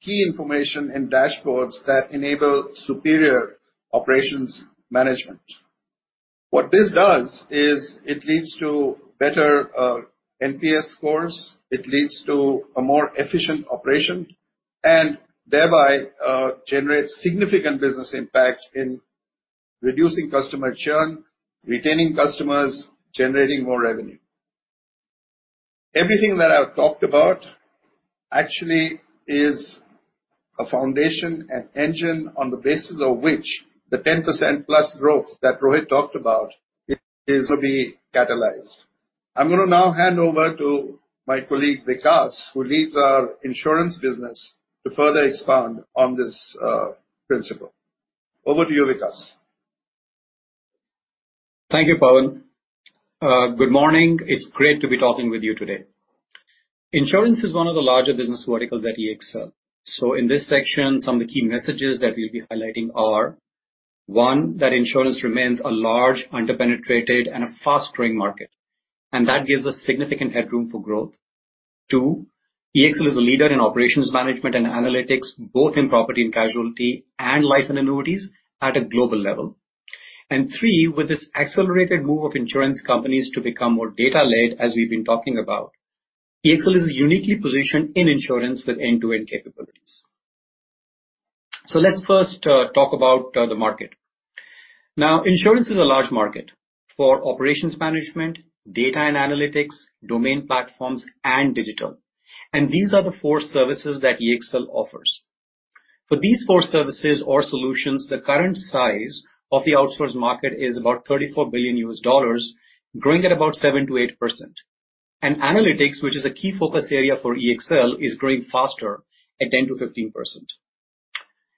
key information in dashboards that enable superior operations management. What this does is it leads to better NPS scores, it leads to a more efficient operation, and thereby, generates significant business impact in reducing customer churn, retaining customers, generating more revenue. Everything that I've talked about actually is a foundation and engine on the basis of which the 10%+ growth that Rohit talked about is to be catalyzed. I'm going to now hand over to my colleague, Vikas, who leads our insurance business, to further expand on this principle. Over to you, Vikas. Thank you, Pavan. Good morning. It's great to be talking with you today. Insurance is one of the larger business verticals at EXL. In this section, some of the key messages that we'll be highlighting are, one, that insurance remains a large, under-penetrated, and a fast-growing market, and that gives us significant headroom for growth. Two, EXL is a leader in operations management and analytics, both in property and casualty and life and annuities at a global level. Three, with this accelerated move of insurance companies to become more data-led, as we've been talking about, EXL is uniquely positioned in insurance with end-to-end capabilities. Let's first talk about the market. Insurance is a large market for operations management, data and analytics, domain platforms, and digital. These are the four services that EXL offers. For these four services or solutions, the current size of the outsource market is about $34 billion, growing at about 7%-8%. Analytics, which is a key focus area for EXL, is growing faster at 10%-15%.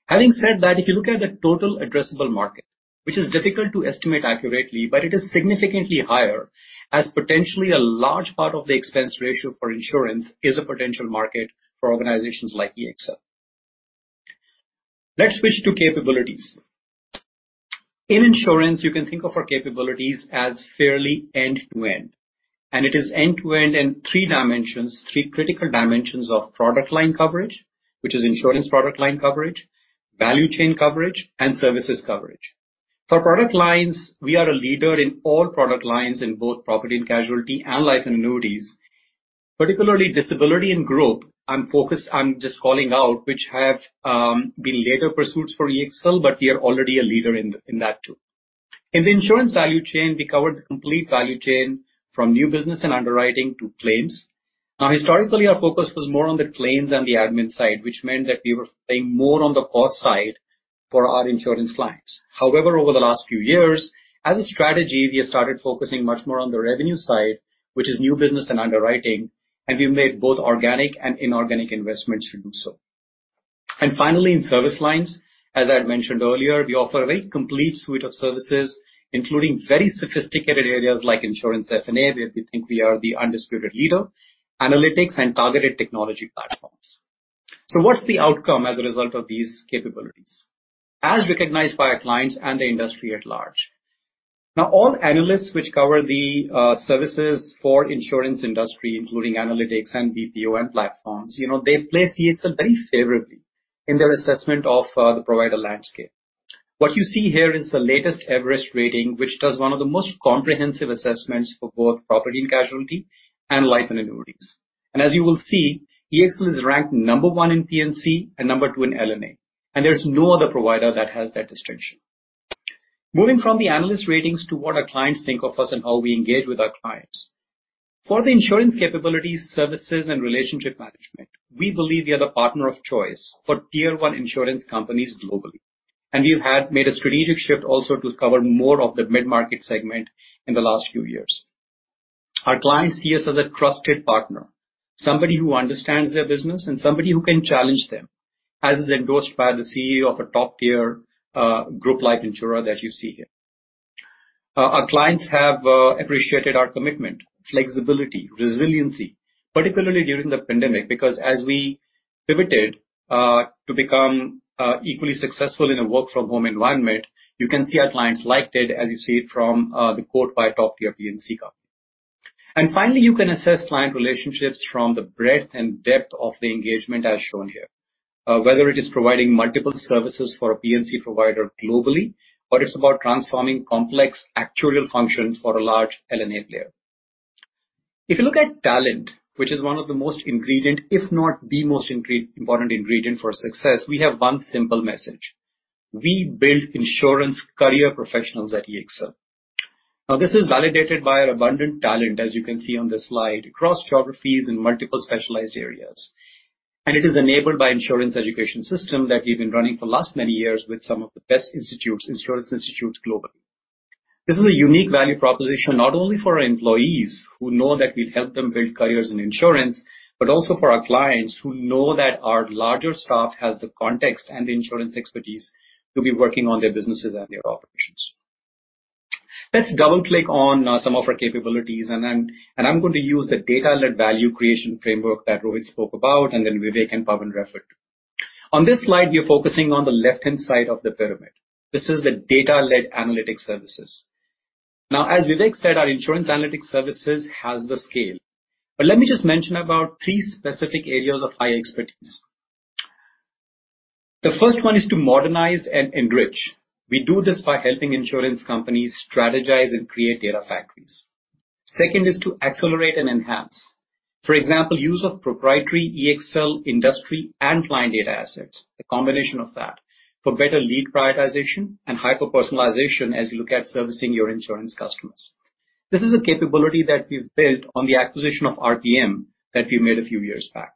Having said that, if you look at the total addressable market, which is difficult to estimate accurately, but it is significantly higher as potentially a large part of the expense ratio for insurance is a potential market for organizations like EXL. Let's switch to capabilities. In insurance, you can think of our capabilities as fairly end-to-end. It is end-to-end in three dimensions, three critical dimensions of product line coverage, which is insurance product line coverage, value chain coverage, and services coverage. For product lines, we are a leader in all product lines in both property and casualty and life and annuities. Particularly disability and group, I'm focused on just calling out, which have been later pursuits for EXL, but we are already a leader in that too. In the insurance value chain, we cover the complete value chain from new business and underwriting to claims. Now historically, our focus was more on the claims and the admin side, which meant that we were playing more on the cost side for our insurance clients. However, over the last few years, as a strategy, we have started focusing much more on the revenue side, which is new business and underwriting, and we've made both organic and inorganic investments to do so. Finally, in service lines, as I had mentioned earlier, we offer a very complete suite of services, including very sophisticated areas like insurance F&A, where we think we are the undisputed leader, analytics and targeted technology platforms. What's the outcome as a result of these capabilities? As recognized by our clients and the industry at large. All analysts which cover the services for insurance industry, including analytics and BPO and platforms, they place EXL very favorably in their assessment of the provider landscape. What you see here is the latest Everest rating, which does one of the most comprehensive assessments for both property and casualty and life and annuities. As you will see, EXL is ranked number one in P&C and number two in L&A, and there's no other provider that has that distinction. Moving from the analyst ratings to what our clients think of us and how we engage with our clients. For the insurance capabilities, services, and relationship management, we believe we are the partner of choice for tier 1 insurance companies globally, and we have made a strategic shift also to cover more of the mid-market segment in the last few years. Our clients see us as a trusted partner, somebody who understands their business, and somebody who can challenge them, as is endorsed by the CEO of a top-tier group life insurer that you see here. Our clients have appreciated our commitment, flexibility, resiliency, particularly during the pandemic, because as we pivoted to become equally successful in a work-from-home environment, you can see our clients liked it, as you see from the quote by a top-tier P&C company. Finally, you can assess client relationships from the breadth and depth of the engagement as shown here. Whether it is providing multiple services for a P&C provider globally, or it's about transforming complex actuarial functions for a large L&A player. If you look at talent, which is one of the most ingredient, if not the most important ingredient for success, we have one simple message. We build insurance career professionals at EXL. This is validated by our abundant talent, as you can see on the slide, across geographies in multiple specialized areas, and it is enabled by insurance education system that we've been running for the last many years with some of the best institutes, insurance institutes globally. This is a unique value proposition, not only for our employees who know that we help them build careers in insurance, but also for our clients who know that our larger staff has the context and the insurance expertise to be working on their businesses and their operations. Let's double-click on some of our capabilities, and I'm going to use the data-led value creation framework that Rohit spoke about and then Vivek and Pavan referred to. On this slide, we are focusing on the left-hand side of the pyramid. This is the data-led analytic services. Now, as Vivek said, our insurance analytic services has the scale. Let me just mention about three specific areas of high expertise. The first one is to modernize and enrich. We do this by helping insurance companies strategize and create data factories. Second is to accelerate and enhance. For example, use of proprietary EXL industry and client data assets, a combination of that, for better lead prioritization and hyper-personalization as you look at servicing your insurance customers. This is a capability that we've built on the acquisition of RPM that we made a few years back.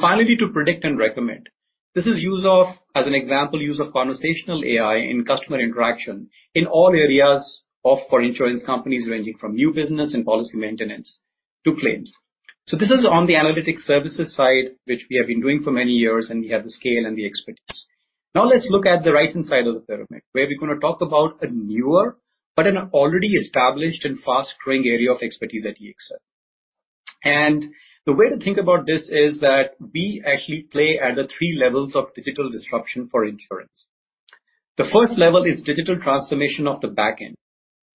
Finally, to predict and recommend. This is, as an example, use of conversational AI in customer interaction in all areas for insurance companies, ranging from new business and policy maintenance to claims. This is on the analytics services side, which we have been doing for many years, and we have the scale and the expertise. Now let's look at the right-hand side of the pyramid, where we're going to talk about a newer but an already established and fast-growing area of expertise at EXL. The way to think about this is that we actually play at the three levels of digital disruption for insurance. The first level is digital transformation of the backend.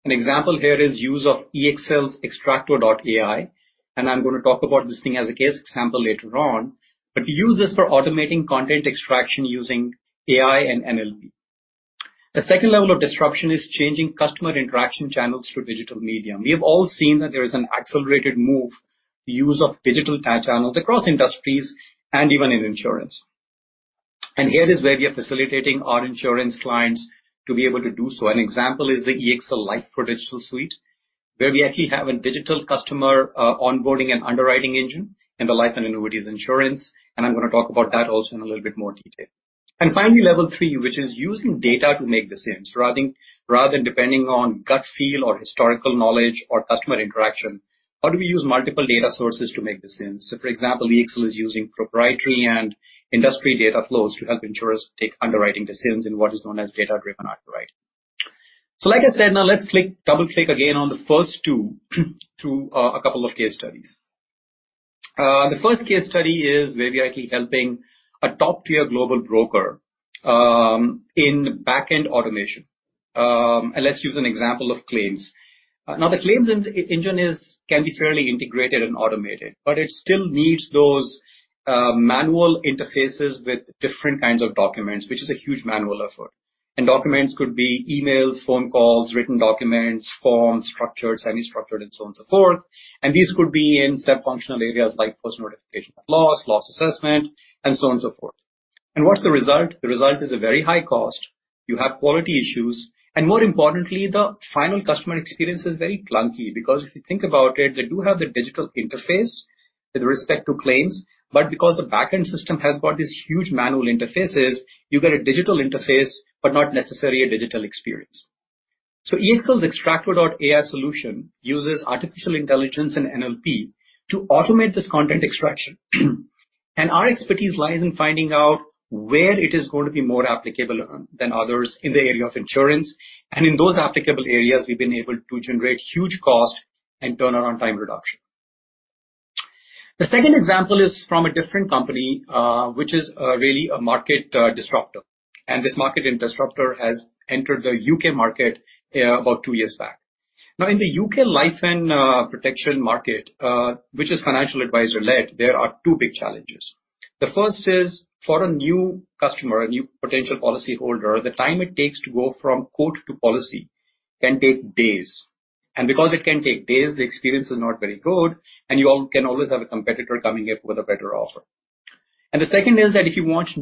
An example here is use of EXL's XTRAKTO.AI, and I'm going to talk about this thing as a case example later on, but we use this for automating content extraction using AI and NLP. The second level of disruption is changing customer interaction channels through digital medium. We have all seen that there is an accelerated move to use of digital channels across industries and even in insurance. Here is where we are facilitating our insurance clients to be able to do so. An example is the EXL LifePRO Digital Suite, where we actually have a digital customer onboarding and underwriting engine in the life and annuities insurance, and I'm going to talk about that also in a little bit more detail. Finally, level three, which is using data to make decisions rather than depending on gut feel or historical knowledge or customer interaction. How do we use multiple data sources to make decisions? For example, EXL is using proprietary and industry data flows to help insurers take underwriting decisions in what is known as data-driven underwriting. Like I said, now let's double-click again on the first two through a couple of case studies. The first case study is where we are helping a top-tier global broker in backend automation. Let's use an example of claims. The claims engine can be fairly integrated and automated, but it still needs those manual interfaces with different kinds of documents, which is a huge manual effort. Documents could be emails, phone calls, written documents, forms, structured, semi-structured, and so on, so forth. These could be in sub-functional areas like post notification of loss assessment, and so on, so forth. What's the result? The result is a very high cost. You have quality issues, and more importantly, the final customer experience is very clunky. Because if you think about it, they do have the digital interface with respect to claims. But because the back-end system has got these huge manual interfaces, you get a digital interface, but not necessarily a digital experience. EXL's XTRAKTO.AI solution uses artificial intelligence and NLP to automate this content extraction. Our expertise lies in finding out where it is going to be more applicable than others in the area of insurance, and in those applicable areas, we've been able to generate huge cost and turnaround time reduction. The second example is from a different company, which is really a market disruptor. This market disruptor has entered the U.K. market about two years back. Now, in the U.K. life and protection market, which is financial advisor-led, there are two big challenges. The first is, for a new customer, a new potential policyholder, the time it takes to go from quote to policy can take days. Because it can take days, the experience is not very good, and you can always have a competitor coming in with a better offer. The second is that if you want to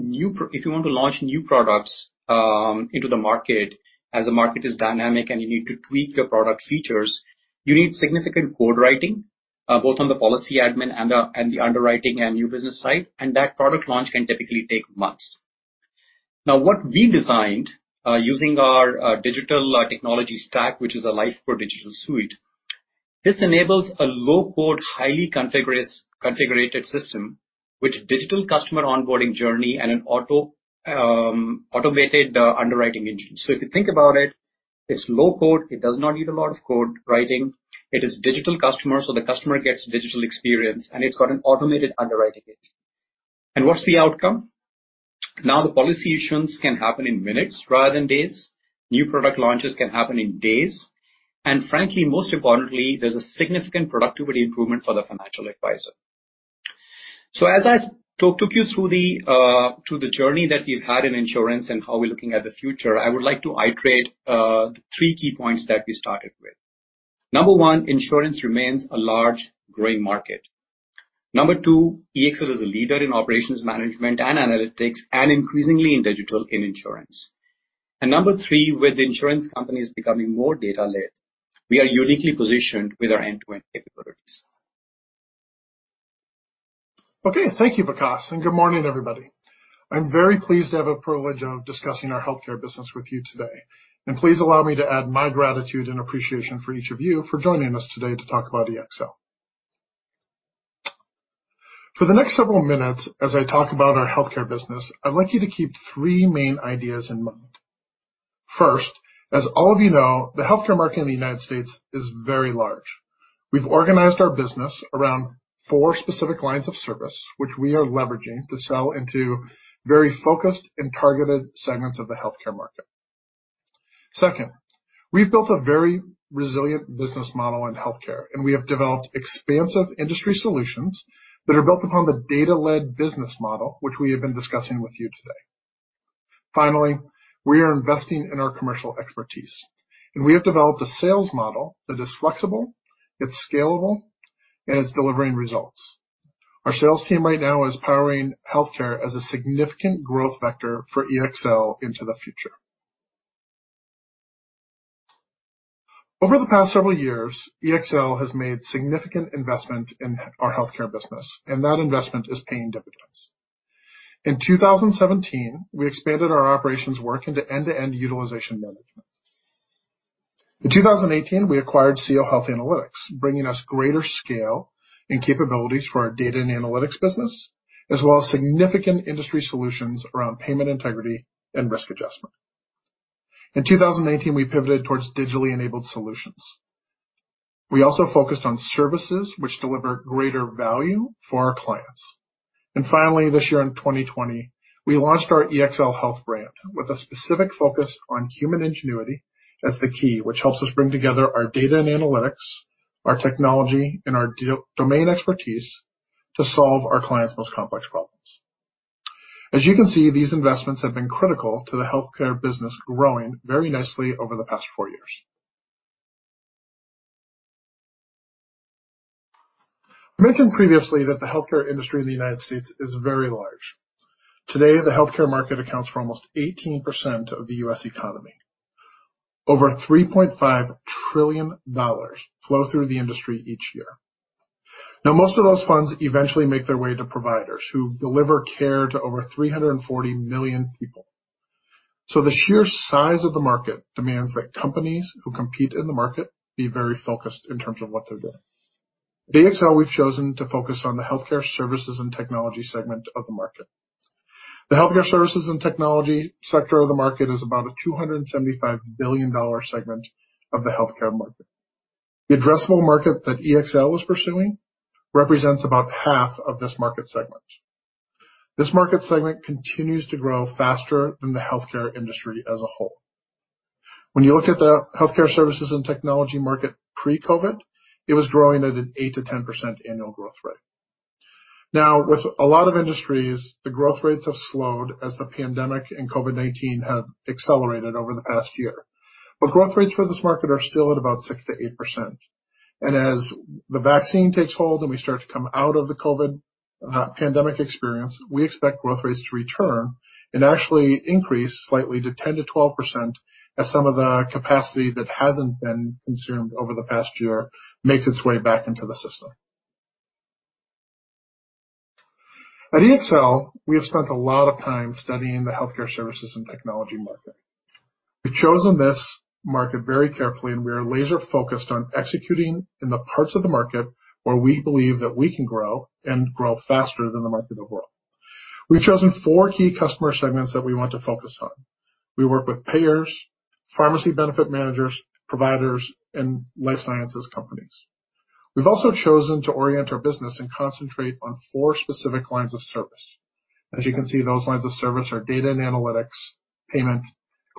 launch new products into the market, as the market is dynamic and you need to tweak the product features, you need significant code writing, both on the policy admin and the underwriting and new business side, and that product launch can typically take months. What we designed, using our digital technology stack, which is a LifePRO Digital Suite, this enables a low-code, highly configurated system with digital customer onboarding journey and an automated underwriting engine. If you think about it's low code. It does not need a lot of code writing. It is digital customer, so the customer gets digital experience, and it's got an automated underwriting engine. What's the outcome? The policy issuance can happen in minutes rather than days. New product launches can happen in days. Frankly, most importantly, there's a significant productivity improvement for the financial advisor. As I took you through the journey that we've had in insurance and how we're looking at the future, I would like to iterate the three key points that we started with. Number one, insurance remains a large, growing market. Number two, EXL is a leader in operations management and analytics and increasingly in digital in insurance. Number three, with insurance companies becoming more data-led, we are uniquely positioned with our end-to-end capabilities. Okay. Thank you, Vikas. Good morning, everybody. I'm very pleased to have the privilege of discussing our healthcare business with you today. Please allow me to add my gratitude and appreciation for each of you for joining us today to talk about EXL. For the next several minutes, as I talk about our healthcare business, I'd like you to keep three main ideas in mind. First, as all of you know, the healthcare market in the United States is very large. We've organized our business around four specific lines of service, which we are leveraging to sell into very focused and targeted segments of the healthcare market. Second, we've built a very resilient business model in healthcare. We have developed expansive industry solutions that are built upon the data-led business model, which we have been discussing with you today. Finally, we are investing in our commercial expertise, and we have developed a sales model that is flexible, it's scalable, and it's delivering results. Our sales team right now is powering healthcare as a significant growth vector for EXL into the future. Over the past several years, EXL has made significant investment in our healthcare business, and that investment is paying dividends. In 2017, we expanded our operations work into end-to-end utilization management. In 2018, we acquired SCIO Health Analytics, bringing us greater scale and capabilities for our data and analytics business, as well as significant industry solutions around payment integrity and risk adjustment. In 2019, we pivoted towards digitally enabled solutions. We also focused on services which deliver greater value for our clients. Finally, this year in 2020, we launched our EXL Health brand with a specific focus on human ingenuity as the key, which helps us bring together our data and analytics, our technology, and our domain expertise to solve our clients' most complex problems. As you can see, these investments have been critical to the healthcare business growing very nicely over the past four years. I mentioned previously that the healthcare industry in the U.S. is very large. Today, the healthcare market accounts for almost 18% of the U.S. economy. Over $3.5 trillion flow through the industry each year. Most of those funds eventually make their way to providers who deliver care to over 340 million people. The sheer size of the market demands that companies who compete in the market be very focused in terms of what they're doing. At EXL, we've chosen to focus on the healthcare services and technology segment of the market. The healthcare services and technology sector of the market is about a $275 billion segment of the healthcare market. The addressable market that EXL is pursuing represents about half of this market segment. This market segment continues to grow faster than the healthcare industry as a whole. When you look at the healthcare services and technology market pre-COVID, it was growing at an 8%-10% annual growth rate. Now, with a lot of industries, the growth rates have slowed as the pandemic and COVID-19 have accelerated over the past year. Growth rates for this market are still at about 6%-8%. As the vaccine takes hold and we start to come out of the COVID pandemic experience, we expect growth rates to return and actually increase slightly to 10%-12% as some of the capacity that hasn't been consumed over the past year makes its way back into the system. At EXL, we have spent a lot of time studying the healthcare services and technology market. We've chosen this market very carefully, and we are laser-focused on executing in the parts of the market where we believe that we can grow and grow faster than the market overall. We've chosen four key customer segments that we want to focus on. We work with payers, pharmacy benefit managers, providers, and life sciences companies. We've also chosen to orient our business and concentrate on four specific lines of service. As you can see, those lines of service are data and analytics, payment,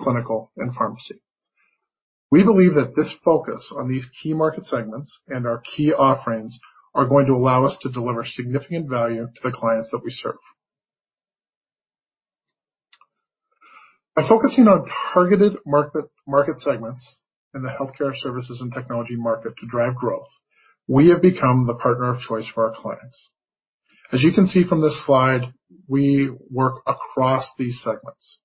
clinical, and pharmacy. We believe that this focus on these key market segments and our key offerings are going to allow us to deliver significant value to the clients that we serve. By focusing on targeted market segments in the healthcare services and technology market to drive growth, we have become the partner of choice for our clients. As you can see from this slide, we work across these segments.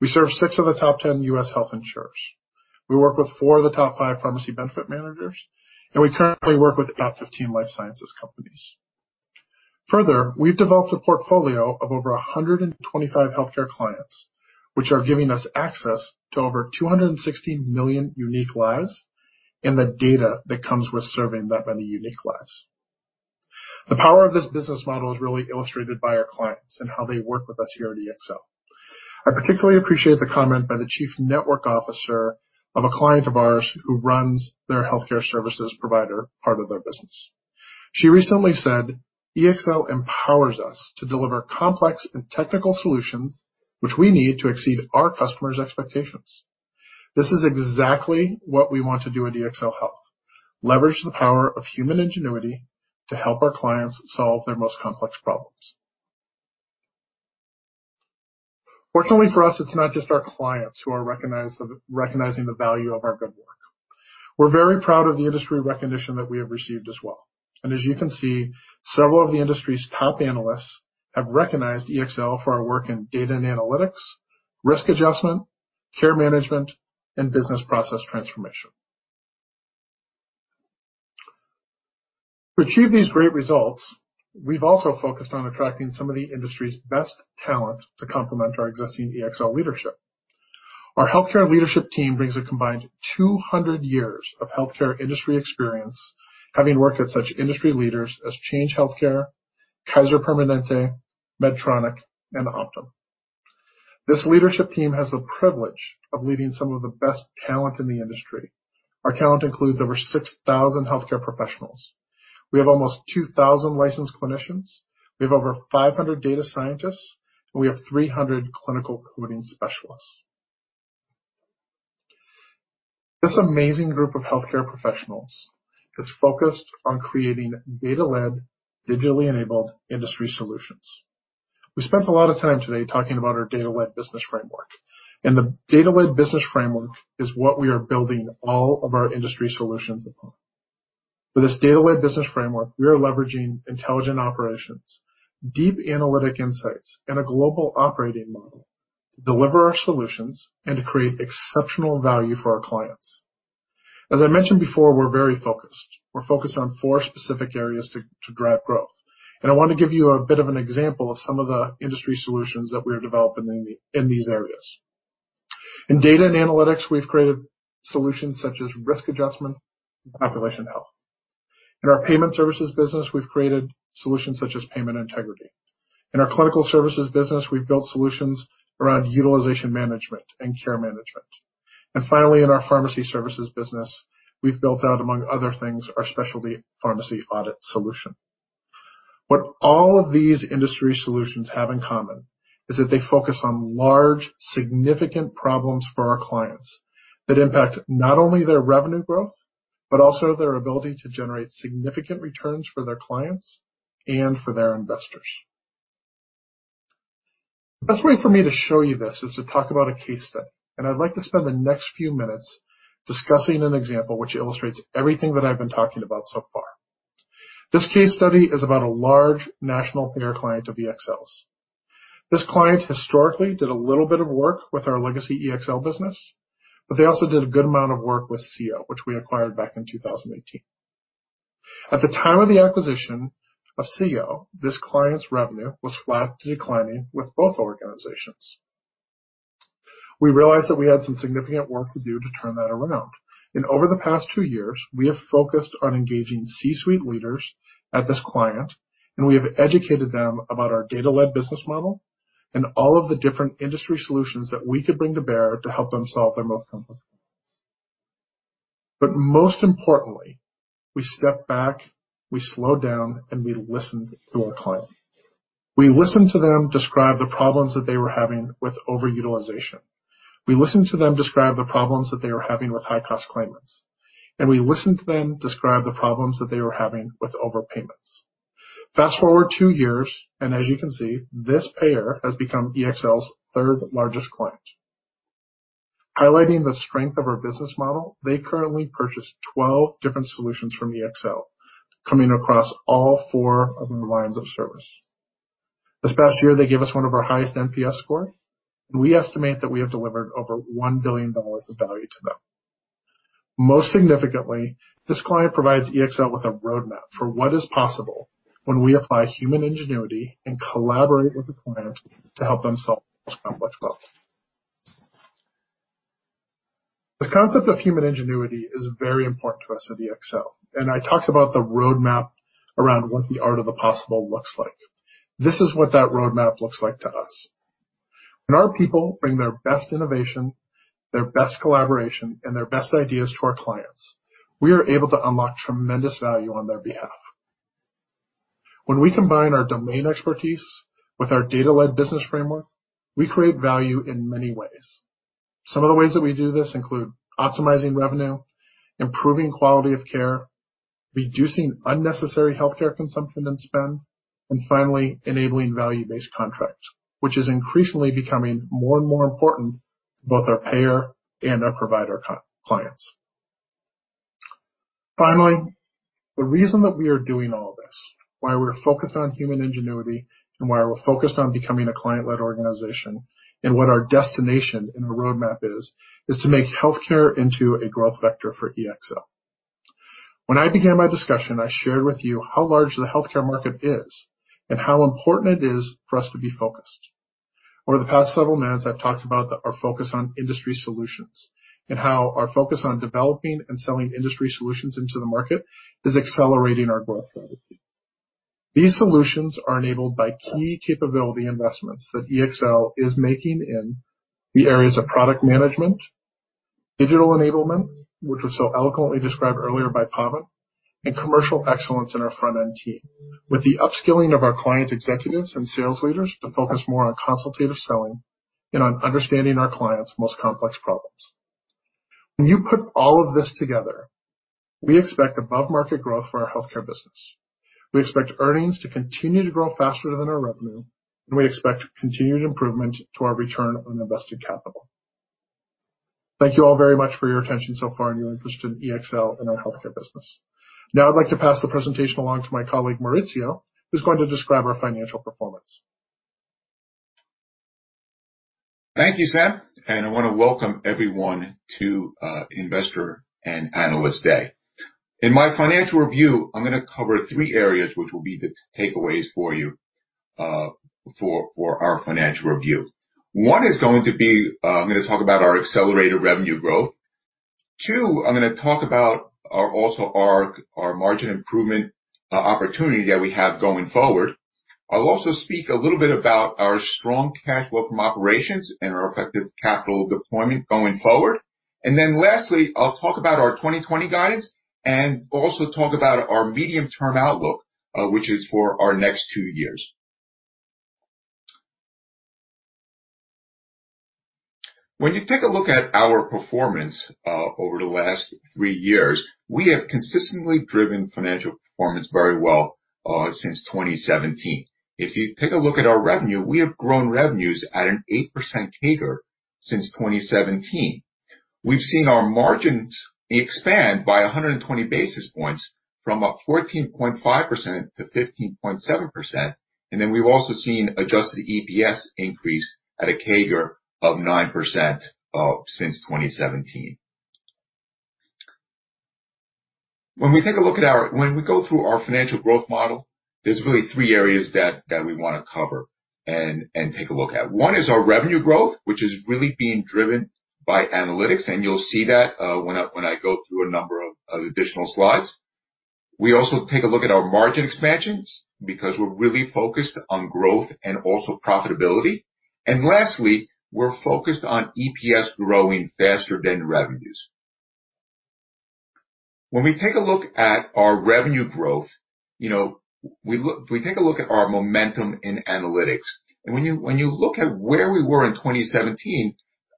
We serve six of the top 10 U.S. health insurers. We work with four of the top five pharmacy benefit managers, and we currently work with about 15 life sciences companies. Further, we've developed a portfolio of over 125 healthcare clients, which are giving us access to over 260 million unique lives and the data that comes with serving that many unique lives. The power of this business model is really illustrated by our clients and how they work with us here at EXL. I particularly appreciate the comment by the chief network officer of a client of ours who runs their healthcare services provider part of their business. She recently said, "EXL empowers us to deliver complex and technical solutions, which we need to exceed our customers' expectations." This is exactly what we want to do at EXL Health: leverage the power of human ingenuity to help our clients solve their most complex problems. Fortunately for us, it's not just our clients who are recognizing the value of our good work. We're very proud of the industry recognition that we have received as well. As you can see, several of the industry's top analysts have recognized EXL for our work in data and analytics, risk adjustment, care management, and business process transformation. To achieve these great results, we've also focused on attracting some of the industry's best talent to complement our existing EXL leadership. Our healthcare leadership team brings a combined 200 years of healthcare industry experience, having worked at such industry leaders as Change Healthcare, Kaiser Permanente, Medtronic, and Optum. This leadership team has the privilege of leading some of the best talent in the industry. Our talent includes over 6,000 healthcare professionals. We have almost 2,000 licensed clinicians. We have over 500 data scientists, and we have 300 clinical coding specialists. This amazing group of healthcare professionals is focused on creating data-led, digitally enabled industry solutions. We spent a lot of time today talking about our data-led business framework, and the data-led business framework is what we are building all of our industry solutions upon. With this data-led business framework, we are leveraging intelligent operations, deep analytic insights, and a global operating model to deliver our solutions and to create exceptional value for our clients. As I mentioned before, we're very focused. We're focused on four specific areas to drive growth, and I want to give you a bit of an example of some of the industry solutions that we are developing in these areas. In data and analytics, we've created solutions such as risk adjustment and population health. In our payment services business, we've created solutions such as payment integrity. In our clinical services business, we've built solutions around utilization management and care management. Finally, in our pharmacy services business, we've built out, among other things, our specialty pharmacy audit solution. What all of these industry solutions have in common is that they focus on large, significant problems for our clients that impact not only their revenue growth, but also their ability to generate significant returns for their clients and for their investors. The best way for me to show you this is to talk about a case study, and I'd like to spend the next few minutes discussing an example which illustrates everything that I've been talking about so far. This case study is about a large national payer client of EXL's. This client historically did a little bit of work with our legacy EXL business, but they also did a good amount of work with SCIO, which we acquired back in 2018. At the time of the acquisition of SCIO, this client's revenue was flat to declining with both organizations. We realized that we had some significant work to do to turn that around. Over the past two years, we have focused on engaging C-suite leaders at this client, and we have educated them about our data-led business model and all of the different industry solutions that we could bring to bear to help them solve their most complex. Most importantly, we stepped back, we slowed down, and we listened to our client. We listened to them describe the problems that they were having with over-utilization. We listened to them describe the problems that they were having with high-cost claimants. We listened to them describe the problems that they were having with overpayments. Fast-forward two years, and as you can see, this payer has become EXL's third-largest client. Highlighting the strength of our business model, they currently purchase 12 different solutions from EXL, coming across all four of our lines of service. This past year, they gave us one of our highest NPS scores. We estimate that we have delivered over $1 billion of value to them. Most significantly, this client provides EXL with a roadmap for what is possible when we apply human ingenuity and collaborate with a client to help them solve their most complex problems. The concept of human ingenuity is very important to us at EXL. I talked about the roadmap around what the art of the possible looks like. This is what that roadmap looks like to us. When our people bring their best innovation, their best collaboration, and their best ideas to our clients, we are able to unlock tremendous value on their behalf. When we combine our domain expertise with our data-led business framework, we create value in many ways. Some of the ways that we do this include optimizing revenue, improving quality of care, reducing unnecessary healthcare consumption and spend, and finally, enabling value-based contracts, which is increasingly becoming more and more important to both our payer and our provider clients. Finally, the reason that we are doing all this, why we're focused on human ingenuity, and why we're focused on becoming a client-led organization, and what our destination in our roadmap is to make healthcare into a growth vector for EXL. When I began my discussion, I shared with you how large the healthcare market is and how important it is for us to be focused. Over the past several months, I've talked about our focus on industry solutions and how our focus on developing and selling industry solutions into the market is accelerating our growth strategy. These solutions are enabled by key capability investments that EXL is making in the areas of product management, digital enablement, which was so eloquently described earlier by Pavan, and commercial excellence in our front-end team, with the upskilling of our client executives and sales leaders to focus more on consultative selling and on understanding our clients' most complex problems. When you put all of this together, we expect above-market growth for our healthcare business. We expect earnings to continue to grow faster than our revenue, and we expect continued improvement to our return on invested capital. Thank you all very much for your attention so far and your interest in EXL and our healthcare business. Now I'd like to pass the presentation along to my colleague, Maurizio, who's going to describe our financial performance. Thank you, Sam, and I want to welcome everyone to Investor and Analyst Day. In my financial review, I'm going to cover three areas which will be the takeaways for you for our financial review. I'm going to talk about our accelerated revenue growth. Two, I'm going to talk about also our margin improvement opportunity that we have going forward. I'll also speak a little bit about our strong cash flow from operations and our effective capital deployment going forward. Lastly, I'll talk about our 2020 guidance and also talk about our medium-term outlook, which is for our next two years. When you take a look at our performance over the last three years, we have consistently driven financial performance very well since 2017. If you take a look at our revenue, we have grown revenues at an 8% CAGR since 2017. We've seen our margins expand by 120 basis points from 14.5% to 15.7%. We've also seen adjusted EPS increase at a CAGR of 9% since 2017. When we go through our financial growth model, there's really three areas that we want to cover and take a look at. One is our revenue growth, which is really being driven by analytics, and you'll see that when I go through a number of additional slides. We also take a look at our margin expansions because we're really focused on growth and also profitability. Lastly, we're focused on EPS growing faster than revenues. When we take a look at our revenue growth, we take a look at our momentum in analytics. When you look at where we were in 2017,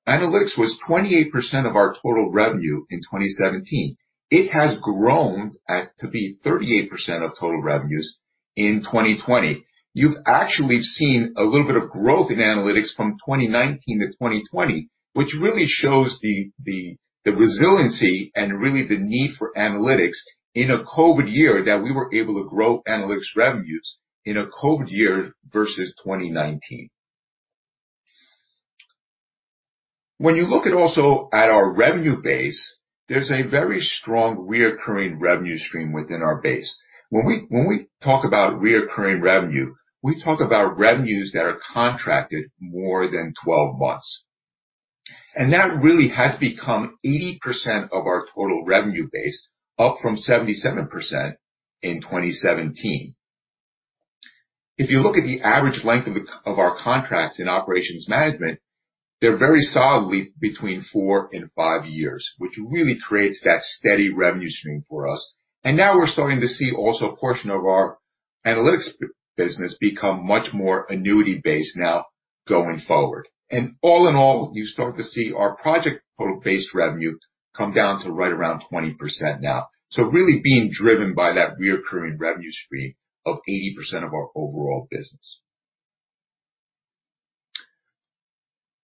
analytics was 28% of our total revenue in 2017. It has grown to be 38% of total revenues in 2020. You've actually seen a little bit of growth in analytics from 2019 to 2020, which really shows the resiliency and really the need for analytics in a COVID year that we were able to grow analytics revenues in a COVID year versus 2019. When you look at also at our revenue base, there's a very strong recurring revenue stream within our base. When we talk about recurring revenue, we talk about revenues that are contracted more than 12 months. That really has become 80% of our total revenue base, up from 77% in 2017. If you look at the average length of our contracts in operations management, they're very solidly between four and five years, which really creates that steady revenue stream for us. Now we're starting to see also a portion of our analytics business become much more annuity-based now going forward. All in all, you start to see our project-based revenue come down to right around 20% now. Really being driven by that reoccurring revenue stream of 80% of our overall business.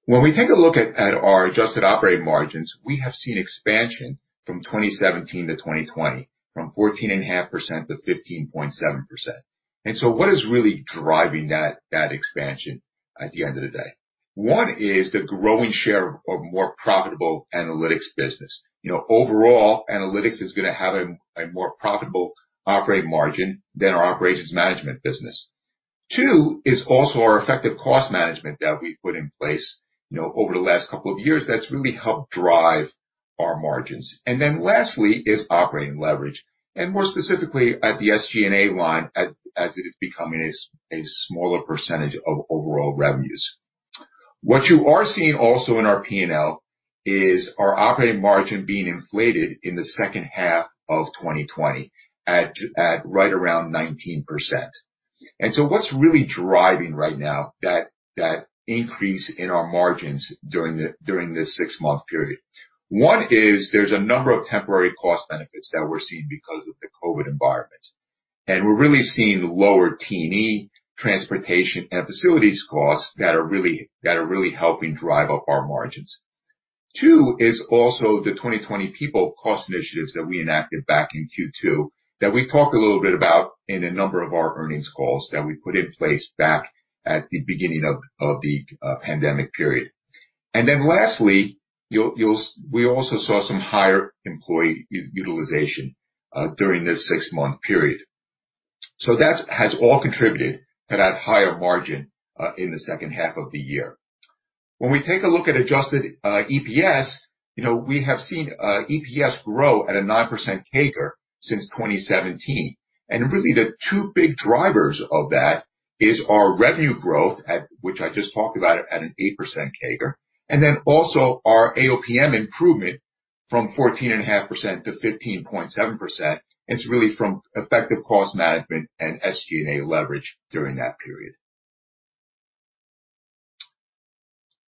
When we take a look at our adjusted operating margins, we have seen expansion from 2017 to 2020, from 14.5% to 15.7%. What is really driving that expansion at the end of the day? One is the growing share of more profitable analytics business. Overall, analytics is going to have a more profitable operating margin than our operations management business. Two is also our effective cost management that we've put in place over the last couple of years that's really helped drive our margins. Then lastly is operating leverage, and more specifically at the SG&A line as it is becoming a smaller percentage of overall revenues. What you are seeing also in our P&L is our operating margin being inflated in the second half of 2020 at right around 19%. So what's really driving right now that increase in our margins during this six-month period? 1 is there's a number of temporary cost benefits that we're seeing because of the COVID-19 environment. We're really seeing lower T&E, transportation, and facilities costs that are really helping drive up our margins. Two is also the 2020 people cost initiatives that we enacted back in Q2, that we've talked a little bit about in a number of our earnings calls that we put in place back at the beginning of the pandemic period. Lastly, we also saw some higher employee utilization during this six-month period. That has all contributed to that higher margin in the second half of the year. When we take a look at adjusted EPS, we have seen EPS grow at a 9% CAGR since 2017. Really the two big drivers of that is our revenue growth, which I just talked about at an 8% CAGR, and then also our AOPM improvement from 14.5% to 15.7%. It's really from effective cost management and SG&A leverage during that period.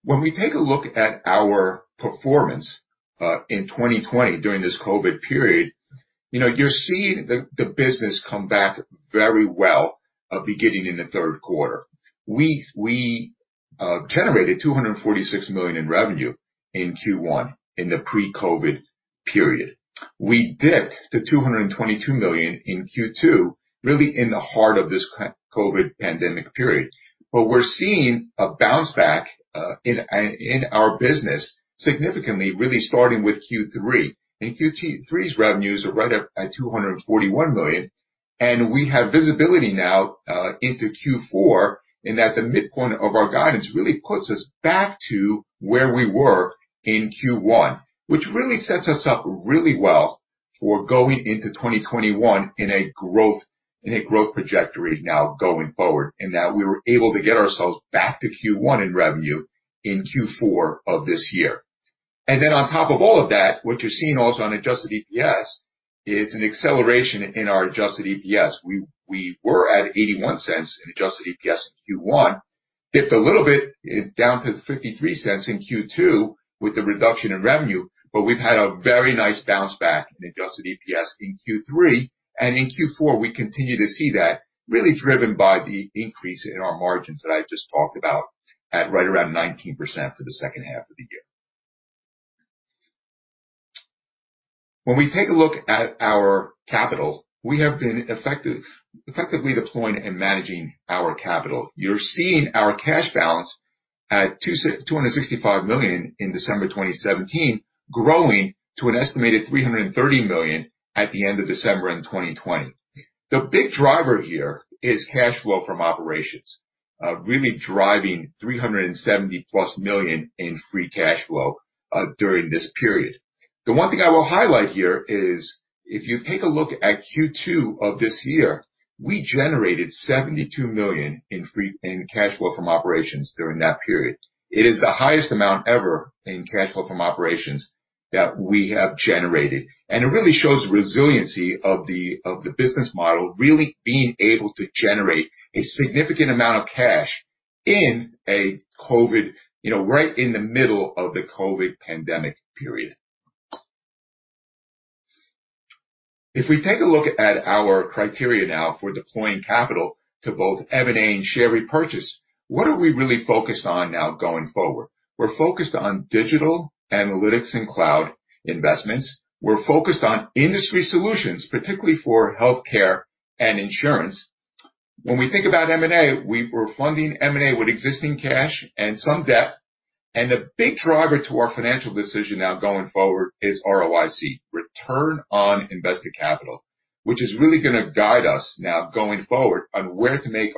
When we take a look at our performance in 2020 during this COVID-19 period, you're seeing the business come back very well beginning in the third quarter. We generated $246 million in revenue in Q1 in the pre-COVID-19 period. We dipped to $222 million in Q2, really in the heart of this COVID-19 pandemic period. We are seeing a bounce back in our business significantly, really starting with Q3. Q3's revenues are right up at $241 million, and we have visibility now into Q4 in that the midpoint of our guidance really puts us back to where we were in Q1, which really sets us up really well for going into 2021 in a growth trajectory now going forward, in that we were able to get ourselves back to Q1 in revenue in Q4 of this year. On top of all of that, what you are seeing also on adjusted EPS is an acceleration in our adjusted EPS. We were at $0.81 in adjusted EPS in Q1, dipped a little bit down to $0.53 in Q2 with the reduction in revenue, but we have had a very nice bounce back in adjusted EPS in Q3. In Q4, we continue to see that really driven by the increase in our margins that I just talked about at right around 19% for the second half of the year. We take a look at our capital, we have been effectively deploying and managing our capital. You're seeing our cash balance at $265 million in December 2017, growing to an estimated $330 million at the end of December in 2020. The big driver here is cash flow from operations, really driving 370+ million in free cash flow during this period. The one thing I will highlight here is if you take a look at Q2 of this year, we generated $72 million in cash flow from operations during that period. It is the highest amount ever in cash flow from operations that we have generated, and it really shows resiliency of the business model really being able to generate a significant amount of cash right in the middle of the COVID-19 pandemic period. If we take a look at our criteria now for deploying capital to both M&A and share repurchase, what are we really focused on now going forward? We're focused on digital analytics and cloud investments. We're focused on industry solutions, particularly for healthcare and insurance. When we think about M&A, we're funding M&A with existing cash and some debt, the big driver to our financial decision now going forward is ROIC, return on invested capital, which is really going to guide us now going forward on where to make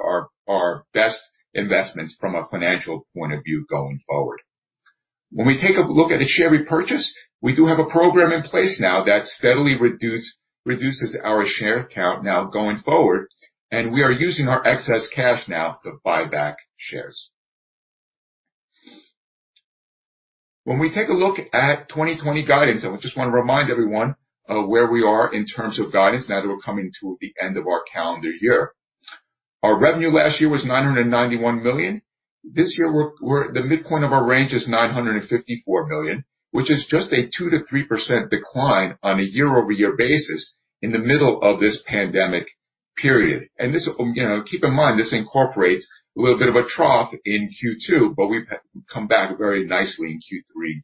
our best investments from a financial point of view going forward. When we take a look at a share repurchase, we do have a program in place now that steadily reduces our share count now going forward, and we are using our excess cash now to buy back shares. When we take a look at 2020 guidance, I just want to remind everyone where we are in terms of guidance now that we're coming to the end of our calendar year. Our revenue last year was $991 million. This year, the midpoint of our range is $954 million, which is just a 2%-3% decline on a year-over-year basis in the middle of this pandemic period. Keep in mind, this incorporates a little bit of a trough in Q2, but we've come back very nicely in Q3 and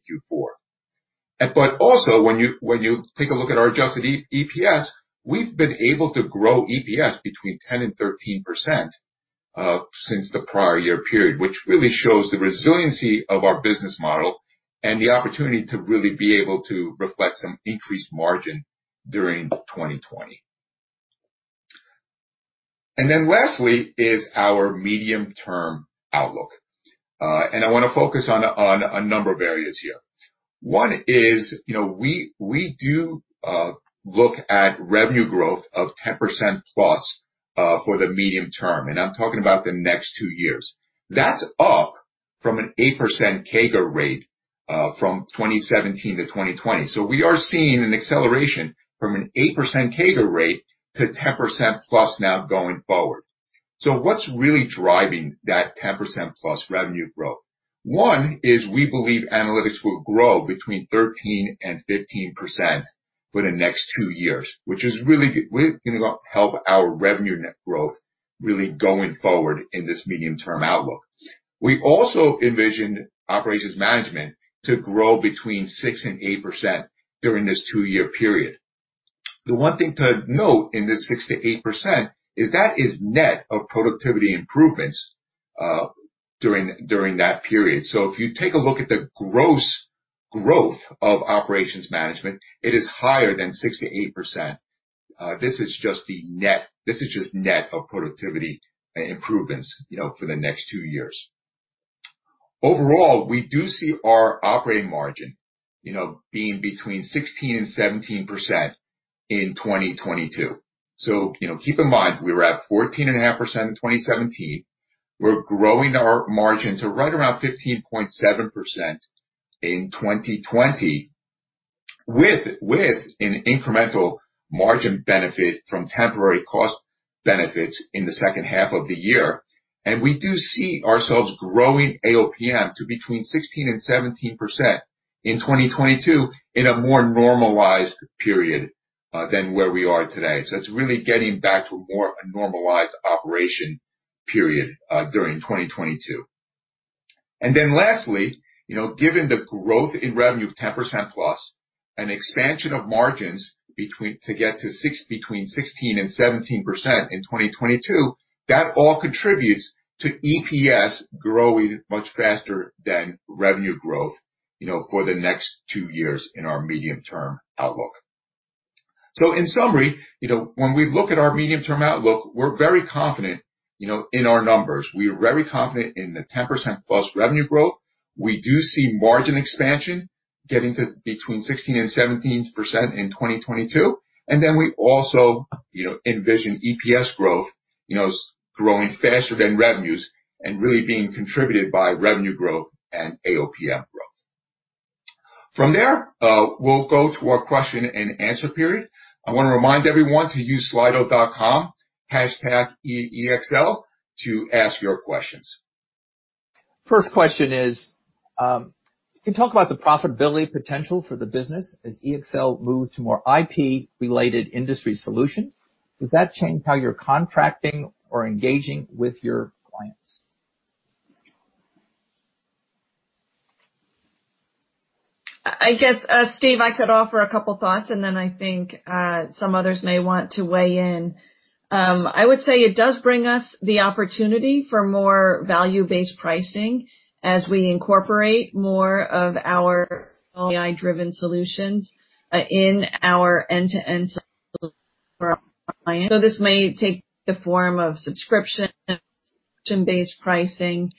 Q4. Also, when you take a look at our adjusted EPS, we've been able to grow EPS between 10% and 13% since the prior year period, which really shows the resiliency of our business model and the opportunity to really be able to reflect some increased margin during 2020. Then lastly is our medium-term outlook. I want to focus on a number of areas here. One is, we do look at revenue growth of 10%+ for the medium term, and I'm talking about the next two years. That's up from an 8% CAGR rate from 2017 to 2020. We are seeing an acceleration from an 8% CAGR rate to 10%+ now going forward. What's really driving that 10%+ revenue growth? One is we believe analytics will grow between 13% and 15% for the next two years, which is really going to help our revenue net growth really going forward in this medium-term outlook. We also envisioned operations management to grow between 6% and 8% during this two-year period. The one thing to note in this 6%-8% is that is net of productivity improvements during that period. If you take a look at the gross growth of operations management, it is higher than 6%-8%. This is just net of productivity improvements for the next two years. Overall, we do see our operating margin being between 16% and 17% in 2022. Keep in mind, we were at 14.5% in 2017. We're growing our margin to right around 15.7% in 2020 with an incremental margin benefit from temporary cost benefits in the second half of the year. We do see ourselves growing AOPM to between 16% and 17% in 2022 in a more normalized period than where we are today. It's really getting back to a more normalized operation period, during 2022. Lastly, given the growth in revenue of 10%+ an expansion of margins to get to between 16% and 17% in 2022, that all contributes to EPS growing much faster than revenue growth for the next two years in our medium-term outlook. In summary, when we look at our medium-term outlook, we're very confident in our numbers. We are very confident in the 10%+ revenue growth. We do see margin expansion getting to between 16% and 17% in 2022. We also envision EPS growth growing faster than revenues and really being contributed by revenue growth and AOPM growth. From there, we'll go to our question-and-answer period. I want to remind everyone to use slido.com, #EXL to ask your questions. First question is, can you talk about the profitability potential for the business as EXL moves to more IP-related industry solutions? Does that change how you're contracting or engaging with your clients? I guess, Steve, I could offer a couple thoughts, and then I think some others may want to weigh in. I would say it does bring us the opportunity for more value-based pricing as we incorporate more of our AI-driven solutions in our end-to-end solutions for our clients. This may take the form of subscription-based pricing,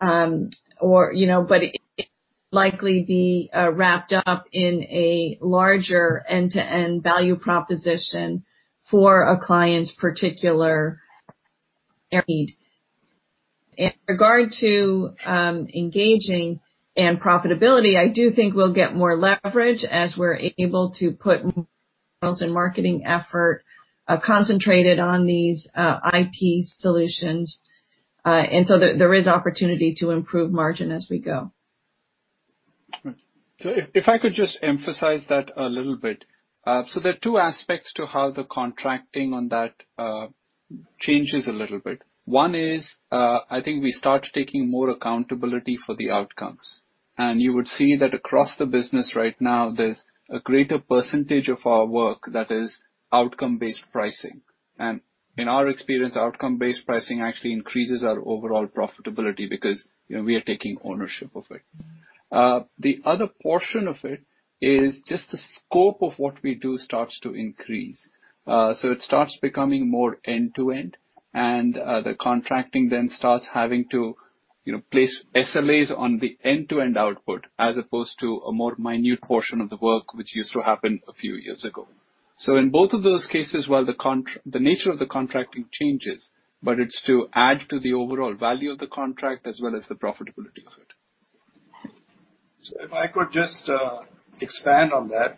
but it will likely be wrapped up in a larger end-to-end value proposition for a client's particular area. In regard to engaging and profitability, I do think we'll get more leverage as we're able to put more sales and marketing effort concentrated on these IP solutions. There is opportunity to improve margin as we go. If I could just emphasize that a little bit. There are two aspects to how the contracting on that changes a little bit. One is, I think we start taking more accountability for the outcomes. You would see that across the business right now, there's a greater percentage of our work that is outcome-based pricing. In our experience, outcome-based pricing actually increases our overall profitability because we are taking ownership of it. The other portion of it is just the scope of what we do starts to increase. It starts becoming more end-to-end, and the contracting then starts having to place SLAs on the end-to-end output as opposed to a more minute portion of the work, which used to happen a few years ago. In both of those cases, while the nature of the contracting changes, but it's to add to the overall value of the contract as well as the profitability of it. If I could just expand on that.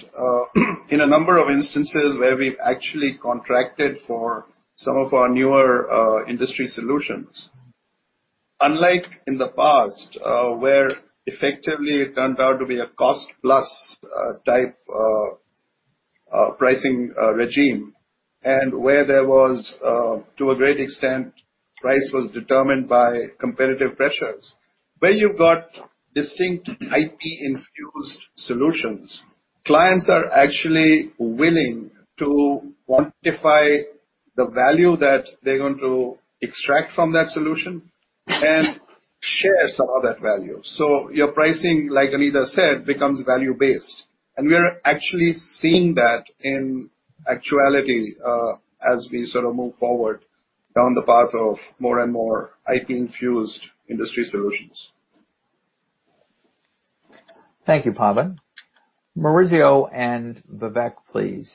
In a number of instances where we've actually contracted for some of our newer industry solutions, unlike in the past, where effectively it turned out to be a cost-plus type of pricing regime, and where there was, to a great extent, price was determined by competitive pressures. Where you've got distinct IP-infused solutions, clients are actually willing to quantify the value that they're going to extract from that solution and share some of that value. Your pricing, like Anita said, becomes value-based. We are actually seeing that in actuality as we sort of move forward down the path of more and more IP-infused industry solutions. Thank you, Pavan. Maurizio and Vivek, please.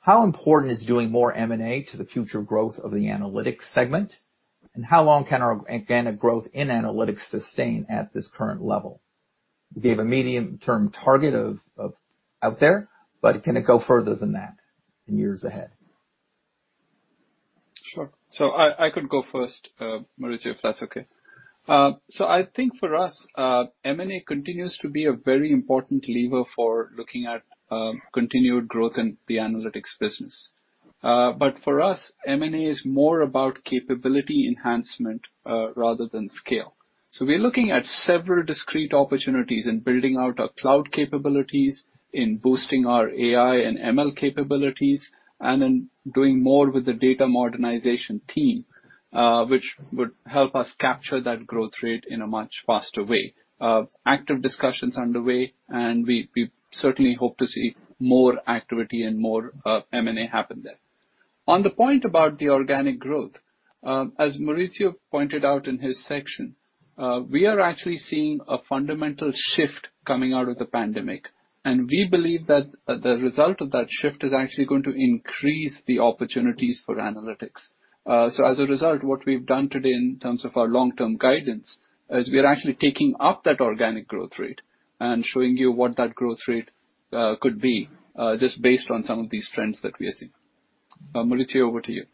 How important is doing more M&A to the future growth of the analytics segment? How long can organic growth in analytics sustain at this current level? You gave a medium-term target of out there, but can it go further than that in years ahead? Sure. I could go first, Maurizio, if that's okay. I think for us, M&A continues to be a very important lever for looking at continued growth in the analytics business. For us, M&A is more about capability enhancement rather than scale. We're looking at several discrete opportunities in building out our cloud capabilities, in boosting our AI and ML capabilities, and in doing more with the data modernization team, which would help us capture that growth rate in a much faster way. Active discussions underway. We certainly hope to see more activity and more M&A happen there. On the point about the organic growth, as Maurizio pointed out in his section, we are actually seeing a fundamental shift coming out of the pandemic, and we believe that the result of that shift is actually going to increase the opportunities for analytics. As a result, what we've done today in terms of our long-term guidance is we are actually taking up that organic growth rate and showing you what that growth rate could be, just based on some of these trends that we are seeing. Maurizio, over to you.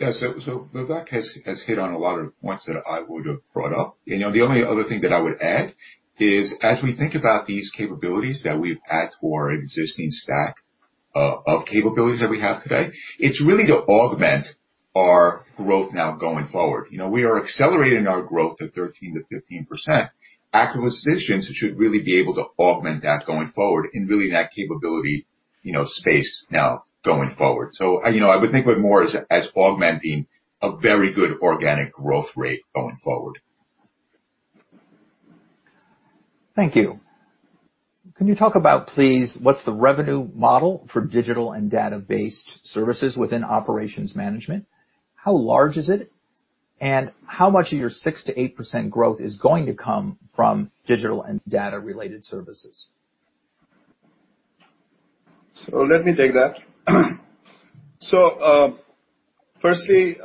Yeah. Vivek has hit on a lot of points that I would have brought up. The only other thing that I would add is, as we think about these capabilities that we've had for our existing stack of capabilities that we have today, it's really to augment our growth now going forward. We are accelerating our growth to 13%-15%. Acquisitions should really be able to augment that going forward and really that capability space now going forward. I would think of it more as augmenting a very good organic growth rate going forward. Thank you. Can you talk about, please, what's the revenue model for digital and data-based services within operations management? How large is it, and how much of your 6%-8% growth is going to come from digital and data-related services? Let me take that. Firstly,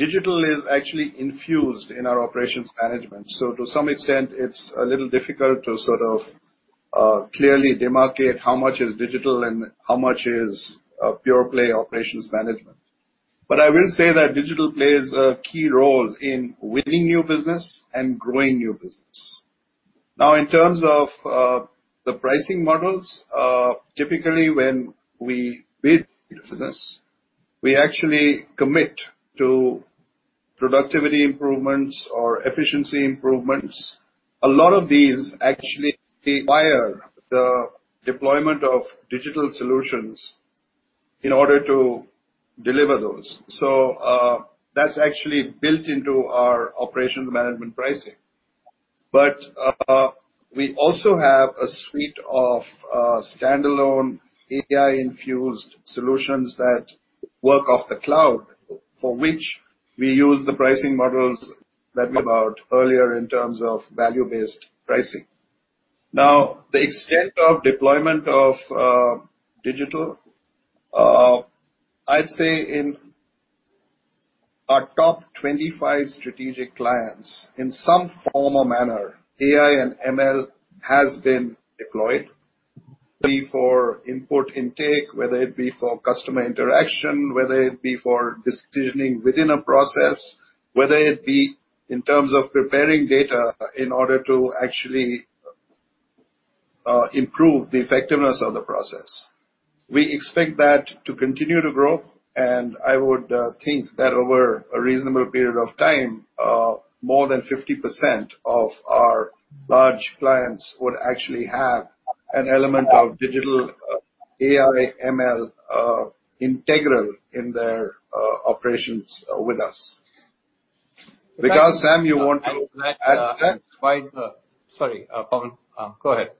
digital is actually infused in our operations management. To some extent, it's a little difficult to sort of clearly demarcate how much is digital and how much is pure-play operations management. I will say that digital plays a key role in winning new business and growing new business. Now, in terms of the pricing models, typically when we bid business, we actually commit to productivity improvements or efficiency improvements. A lot of these actually require the deployment of digital solutions in order to deliver those. That's actually built into our operations management pricing. We also have a suite of standalone AI-infused solutions that work off the cloud, for which we use the pricing models that we brought earlier in terms of value-based pricing. Now, the extent of deployment of digital, I'd say in our top 25 strategic clients, in some form or manner, AI and ML has been deployed, be it for input intake, whether it be for customer interaction, whether it be for decisioning within a process, whether it be in terms of preparing data in order to actually improve the effectiveness of the process. We expect that to continue to grow, and I would think that over a reasonable period of time, more than 50% of our large clients would actually have an element of digital AI, ML integral in their operations with us. Because Sam, you want to add that? Sorry, Pavan. Go ahead.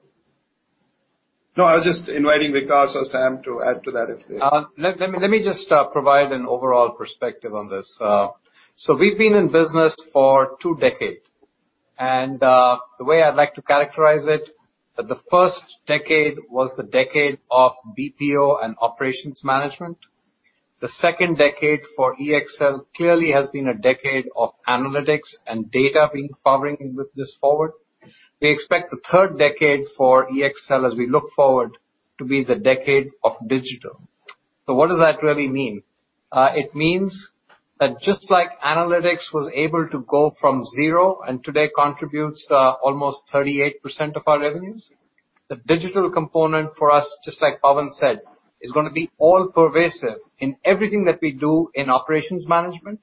No, I was just inviting Vikas or Sam to add to that if they. Let me just provide an overall perspective on this. We've been in business for two decades, and the way I'd like to characterize it, that the first decade was the decade of BPO and operations management. The second decade for EXL clearly has been a decade of analytics and data powering this forward. We expect the third decade for EXL as we look forward to be the decade of digital. What does that really mean? It means that just like analytics was able to go from zero and today contributes almost 38% of our revenues, the digital component for us, just like Pavan said, is going to be all pervasive in everything that we do in operations management,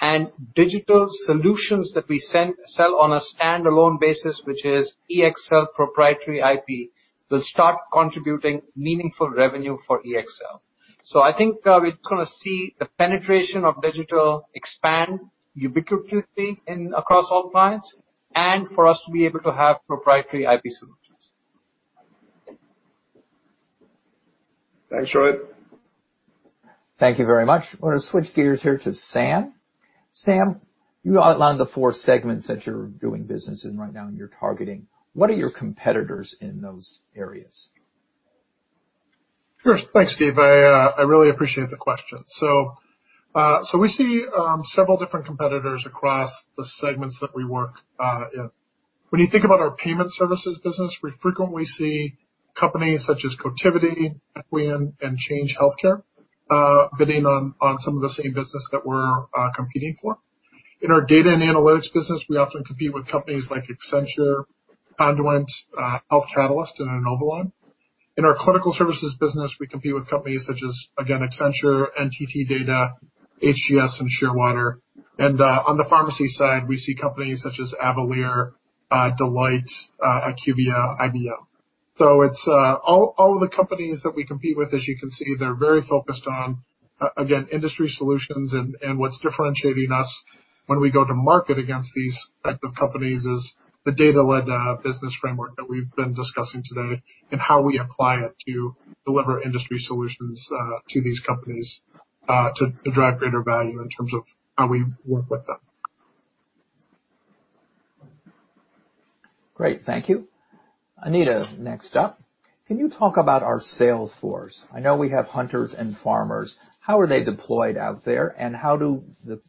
and digital solutions that we sell on a standalone basis, which is EXL proprietary IP, will start contributing meaningful revenue for EXL. I think we're going to see the penetration of digital expand ubiquitously across all clients, and for us to be able to have proprietary IP solutions. Thanks, Rohit. Thank you very much. I want to switch gears here to Sam. Sam, you outlined the four segments that you're doing business in right now and you're targeting. What are your competitors in those areas? Sure. Thanks, Steve. I really appreciate the question. We see several different competitors across the segments that we work in. When you think about our payment services business, we frequently see companies such as Cotiviti, Equian, and Change Healthcare bidding on some of the same business that we're competing for. In our data and analytics business, we often compete with companies like Accenture, Conduent, Health Catalyst, and Inovalon. In our clinical services business, we compete with companies such as, again, Accenture, NTT Data, HCS, and Shearwater. On the pharmacy side, we see companies such as Avalere, Deloitte, IQVIA, IBM. All of the companies that we compete with, as you can see, they're very focused on, again, industry solutions. What's differentiating us when we go to market against these type of companies is the data-led business framework that we've been discussing today and how we apply it to deliver industry solutions to these companies, to drive greater value in terms of how we work with them. Great. Thank you. Anita, next up. Can you talk about our sales force? I know we have hunters and farmers. How are they deployed out there, and how do the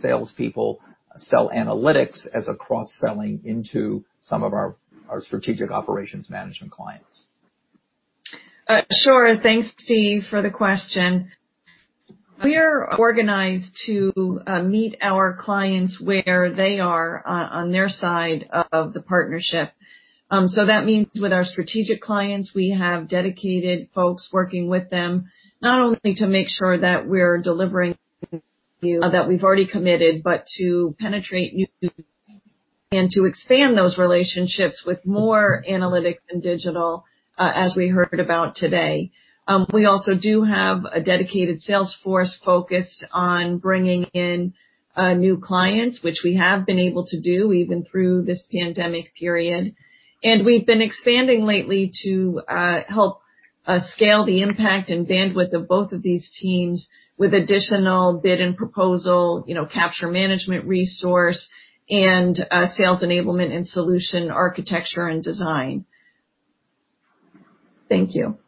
salespeople sell analytics as a cross-selling into some of our strategic operations management clients? Sure. Thanks, Steve, for the question. We're organized to meet our clients where they are on their side of the partnership. That means with our strategic clients, we have dedicated folks working with them. Not only to make sure that we're delivering value that we've already committed, but to penetrate new [markets] and to expand those relationships with more analytic and digital, as we heard about today. We also do have a dedicated salesforce focused on bringing in new clients, which we have been able to do even through this pandemic. We've been expanding lately to scale the impact and bandwidth of both of these teams with additional bids and proposal, you know, capture management resource and sales enablement and solution architecture and design. Thank you.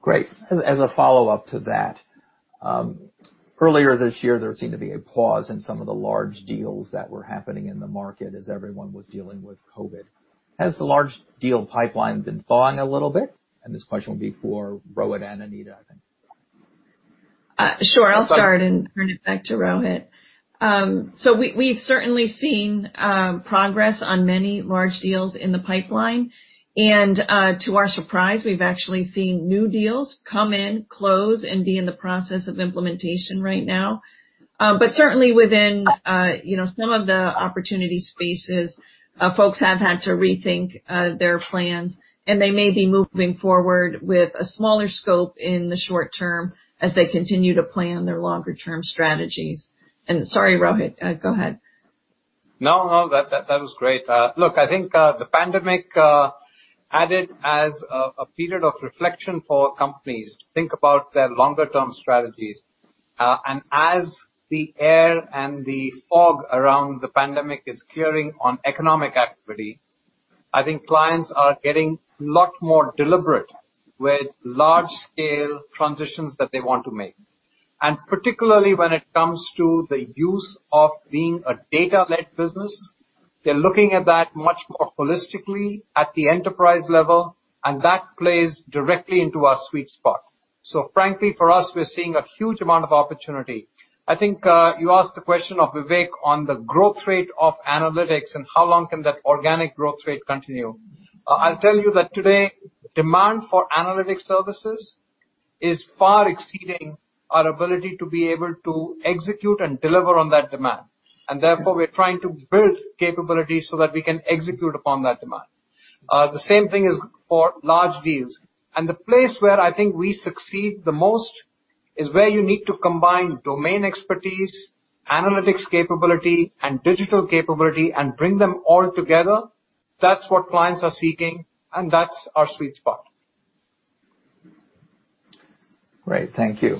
Great. As a follow-up to that, earlier this year, there seemed to be a pause in some of the large deals that were happening in the market as everyone was dealing with COVID. Has the large deal pipeline deal flow a little bit? This question will be for Rohit and Anita, I think. Sure. I'll start and bring it back to Rohit. We've certainly seen progress on many large deals in the pipeline. To our surprise, we've actually seen new deals come in, close, and be in the process of implementation right now. But certainly within some of the opportunity spaces, folks have had to rethink their plans, and they may be moving forward with a smaller scope in the short terms as they continue to plan their longer term strategies. Rohit go ahead. No, that was great. Look, I think the pandemic added as a period of reflection for companies to think about their longer term strategies. As the air and the fog around the pandemic is clearing on economic activity, I think clients are getting a lot more deliberate with large scale transitions that they want to make. Particularly when it comes to the use of being a data-led business, they're looking at that much more holistically at the enterprise level, and that plays directly into our sweet spot. Frankly, for us, we're seeing a huge amount of opportunity. I think you asked the question of Vivek on the growth rate of analytics and how long can that organic growth rate continue. I'll tell you that today, demand for analytics services is far exceeding our ability to be able to execute and deliver on that demand. Therefore, we're trying to build capability so that we can execute upon that demand. The same thing is for large deals. The place where I think we succeed the most is where you need to combine domain expertise, analytics capability, and digital capability, and bring them all together. That's what clients are seeking, and that's our sweet spot. Great. Thank you.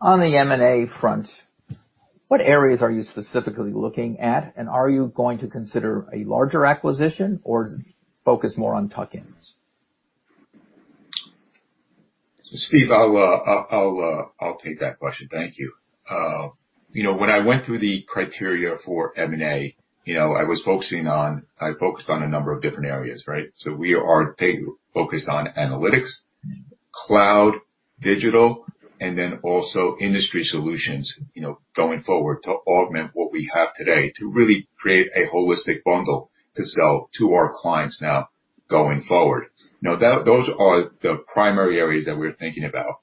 On the M&A front, what areas are you specifically looking at, and are you going to consider a larger acquisition or focus more on tuck-ins? Steve, I'll take that question. Thank you. When I went through the criteria for M&A, I focused on a number of different areas, right? We are focused on analytics, cloud, digital, and then also industry solutions going forward to augment what we have today to really create a holistic bundle to sell to our clients now going forward. Those are the primary areas that we're thinking about.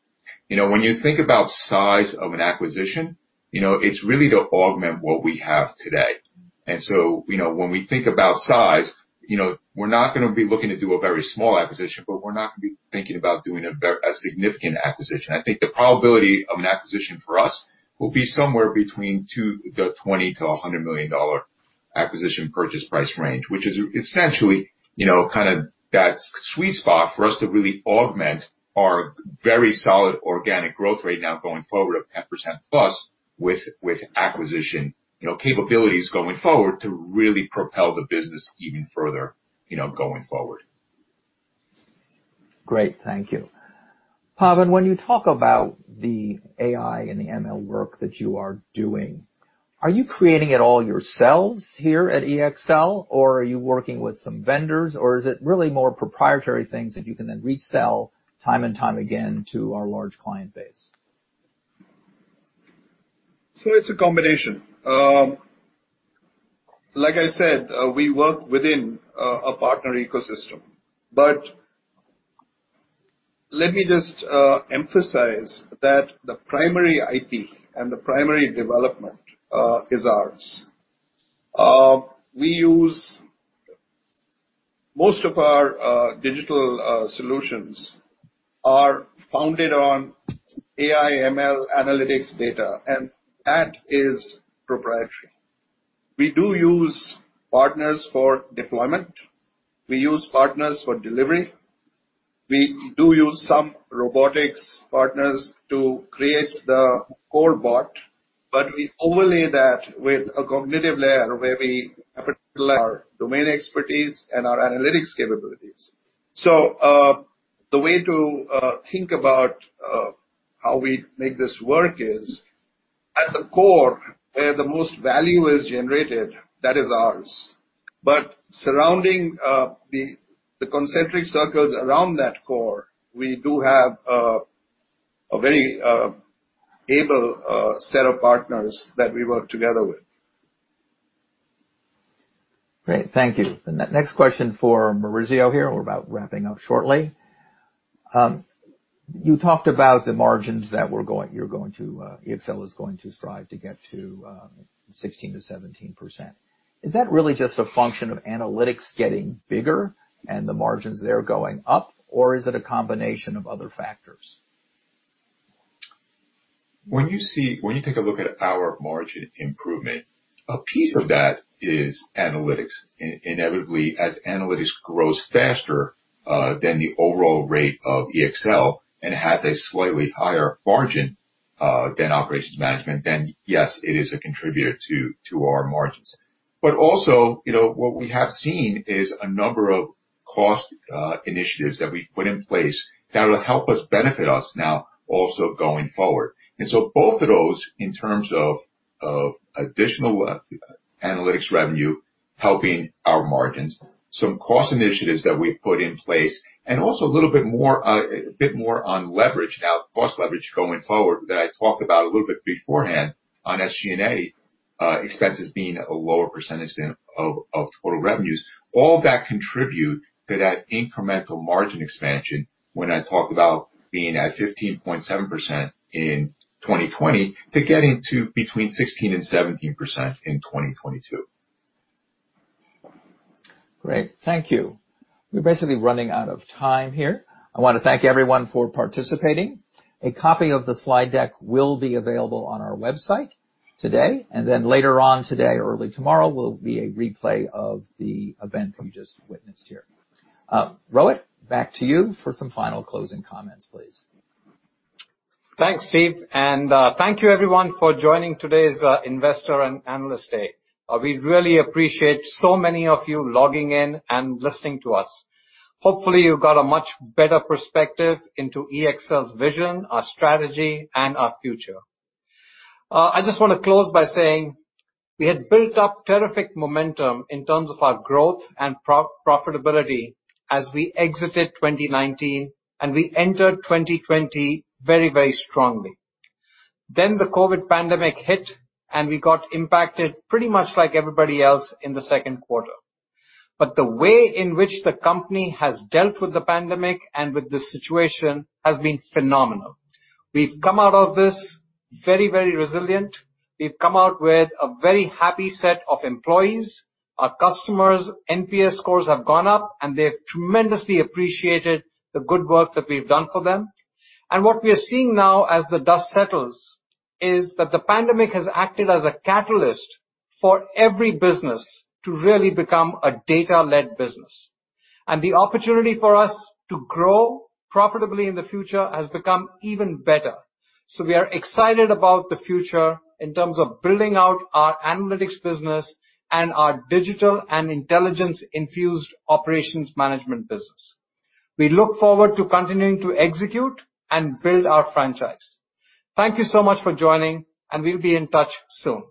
When you think about size of an acquisition, it's really to augment what we have today. When we think about size, we're not going to be looking to do a very small acquisition, but we're not going to be thinking about doing a significant acquisition. I think the probability of an acquisition for us will be somewhere between the $20 million-$100 million acquisition purchase price range, which is essentially that sweet spot for us to really augment our very solid organic growth rate now going forward of 10%+ with acquisition capabilities going forward to really propel the business even further going forward. Great. Thank you. Pavan, when you talk about the AI and the ML work that you are doing, are you creating it all yourselves here at EXL, or are you working with some vendors, or is it really more proprietary things that you can then resell time and time again to our large client base? It's a combination. Like I said, we work within a partner ecosystem, let me just emphasize that the primary IP and the primary development is ours. Most of our digital solutions are founded on AI ML analytics data, that is proprietary. We do use partners for deployment. We use partners for delivery. We do use some robotics partners to create the core bot, we overlay that with a cognitive layer where we our domain expertise and our analytics capabilities. The way to think about how we make this work is, at the core, where the most value is generated, that is ours. Surrounding the concentric circles around that core, we do have a very able set of partners that we work together with. Great. Thank you. The next question for Maurizio here. We're about wrapping up shortly. You talked about the margins that EXL is going to strive to get to 16%-17%. Is that really just a function of analytics getting bigger and the margins there going up, or is it a combination of other factors? When you take a look at our margin improvement, a piece of that is analytics. Inevitably, as analytics grows faster than the overall rate of EXL and has a slightly higher margin than operations management, yes, it is a contributor to our margins. Also, what we have seen is a number of cost initiatives that we've put in place that'll help us benefit us now also going forward. Both of those in terms of additional analytics revenue helping our margins, some cost initiatives that we've put in place, and also a little bit more on leverage now, cost leverage going forward that I talked about a little bit beforehand on SG&A expenses being a lower percentage than of total revenues. All that contribute to that incremental margin expansion when I talked about being at 15.7% in 2020 to getting to between 16% and 17% in 2022. Great. Thank you. We're basically running out of time here. I want to thank everyone for participating. A copy of the slide deck will be available on our website today. Later on today or early tomorrow will be a replay of the event you just witnessed here. Rohit, back to you for some final closing comments, please. Thanks, Steve. Thank you everyone for joining today's Investor and Analyst Day. We really appreciate so many of you logging in and listening to us. Hopefully you got a much better perspective into EXL's vision, our strategy, and our future. I just want to close by saying we had built up terrific momentum in terms of our growth and profitability as we exited 2019, and we entered 2020 very strongly. The COVID pandemic hit, and we got impacted pretty much like everybody else in the second quarter. The way in which the company has dealt with the pandemic and with the situation has been phenomenal. We've come out of this very resilient. We've come out with a very happy set of employees. Our customers' NPS scores have gone up, and they've tremendously appreciated the good work that we've done for them. What we are seeing now as the dust settles is that the pandemic has acted as a catalyst for every business to really become a data-led business. The opportunity for us to grow profitably in the future has become even better. We are excited about the future in terms of building out our analytics business and our digital and intelligence-infused operations management business. We look forward to continuing to execute and build our franchise. Thank you so much for joining, and we'll be in touch soon.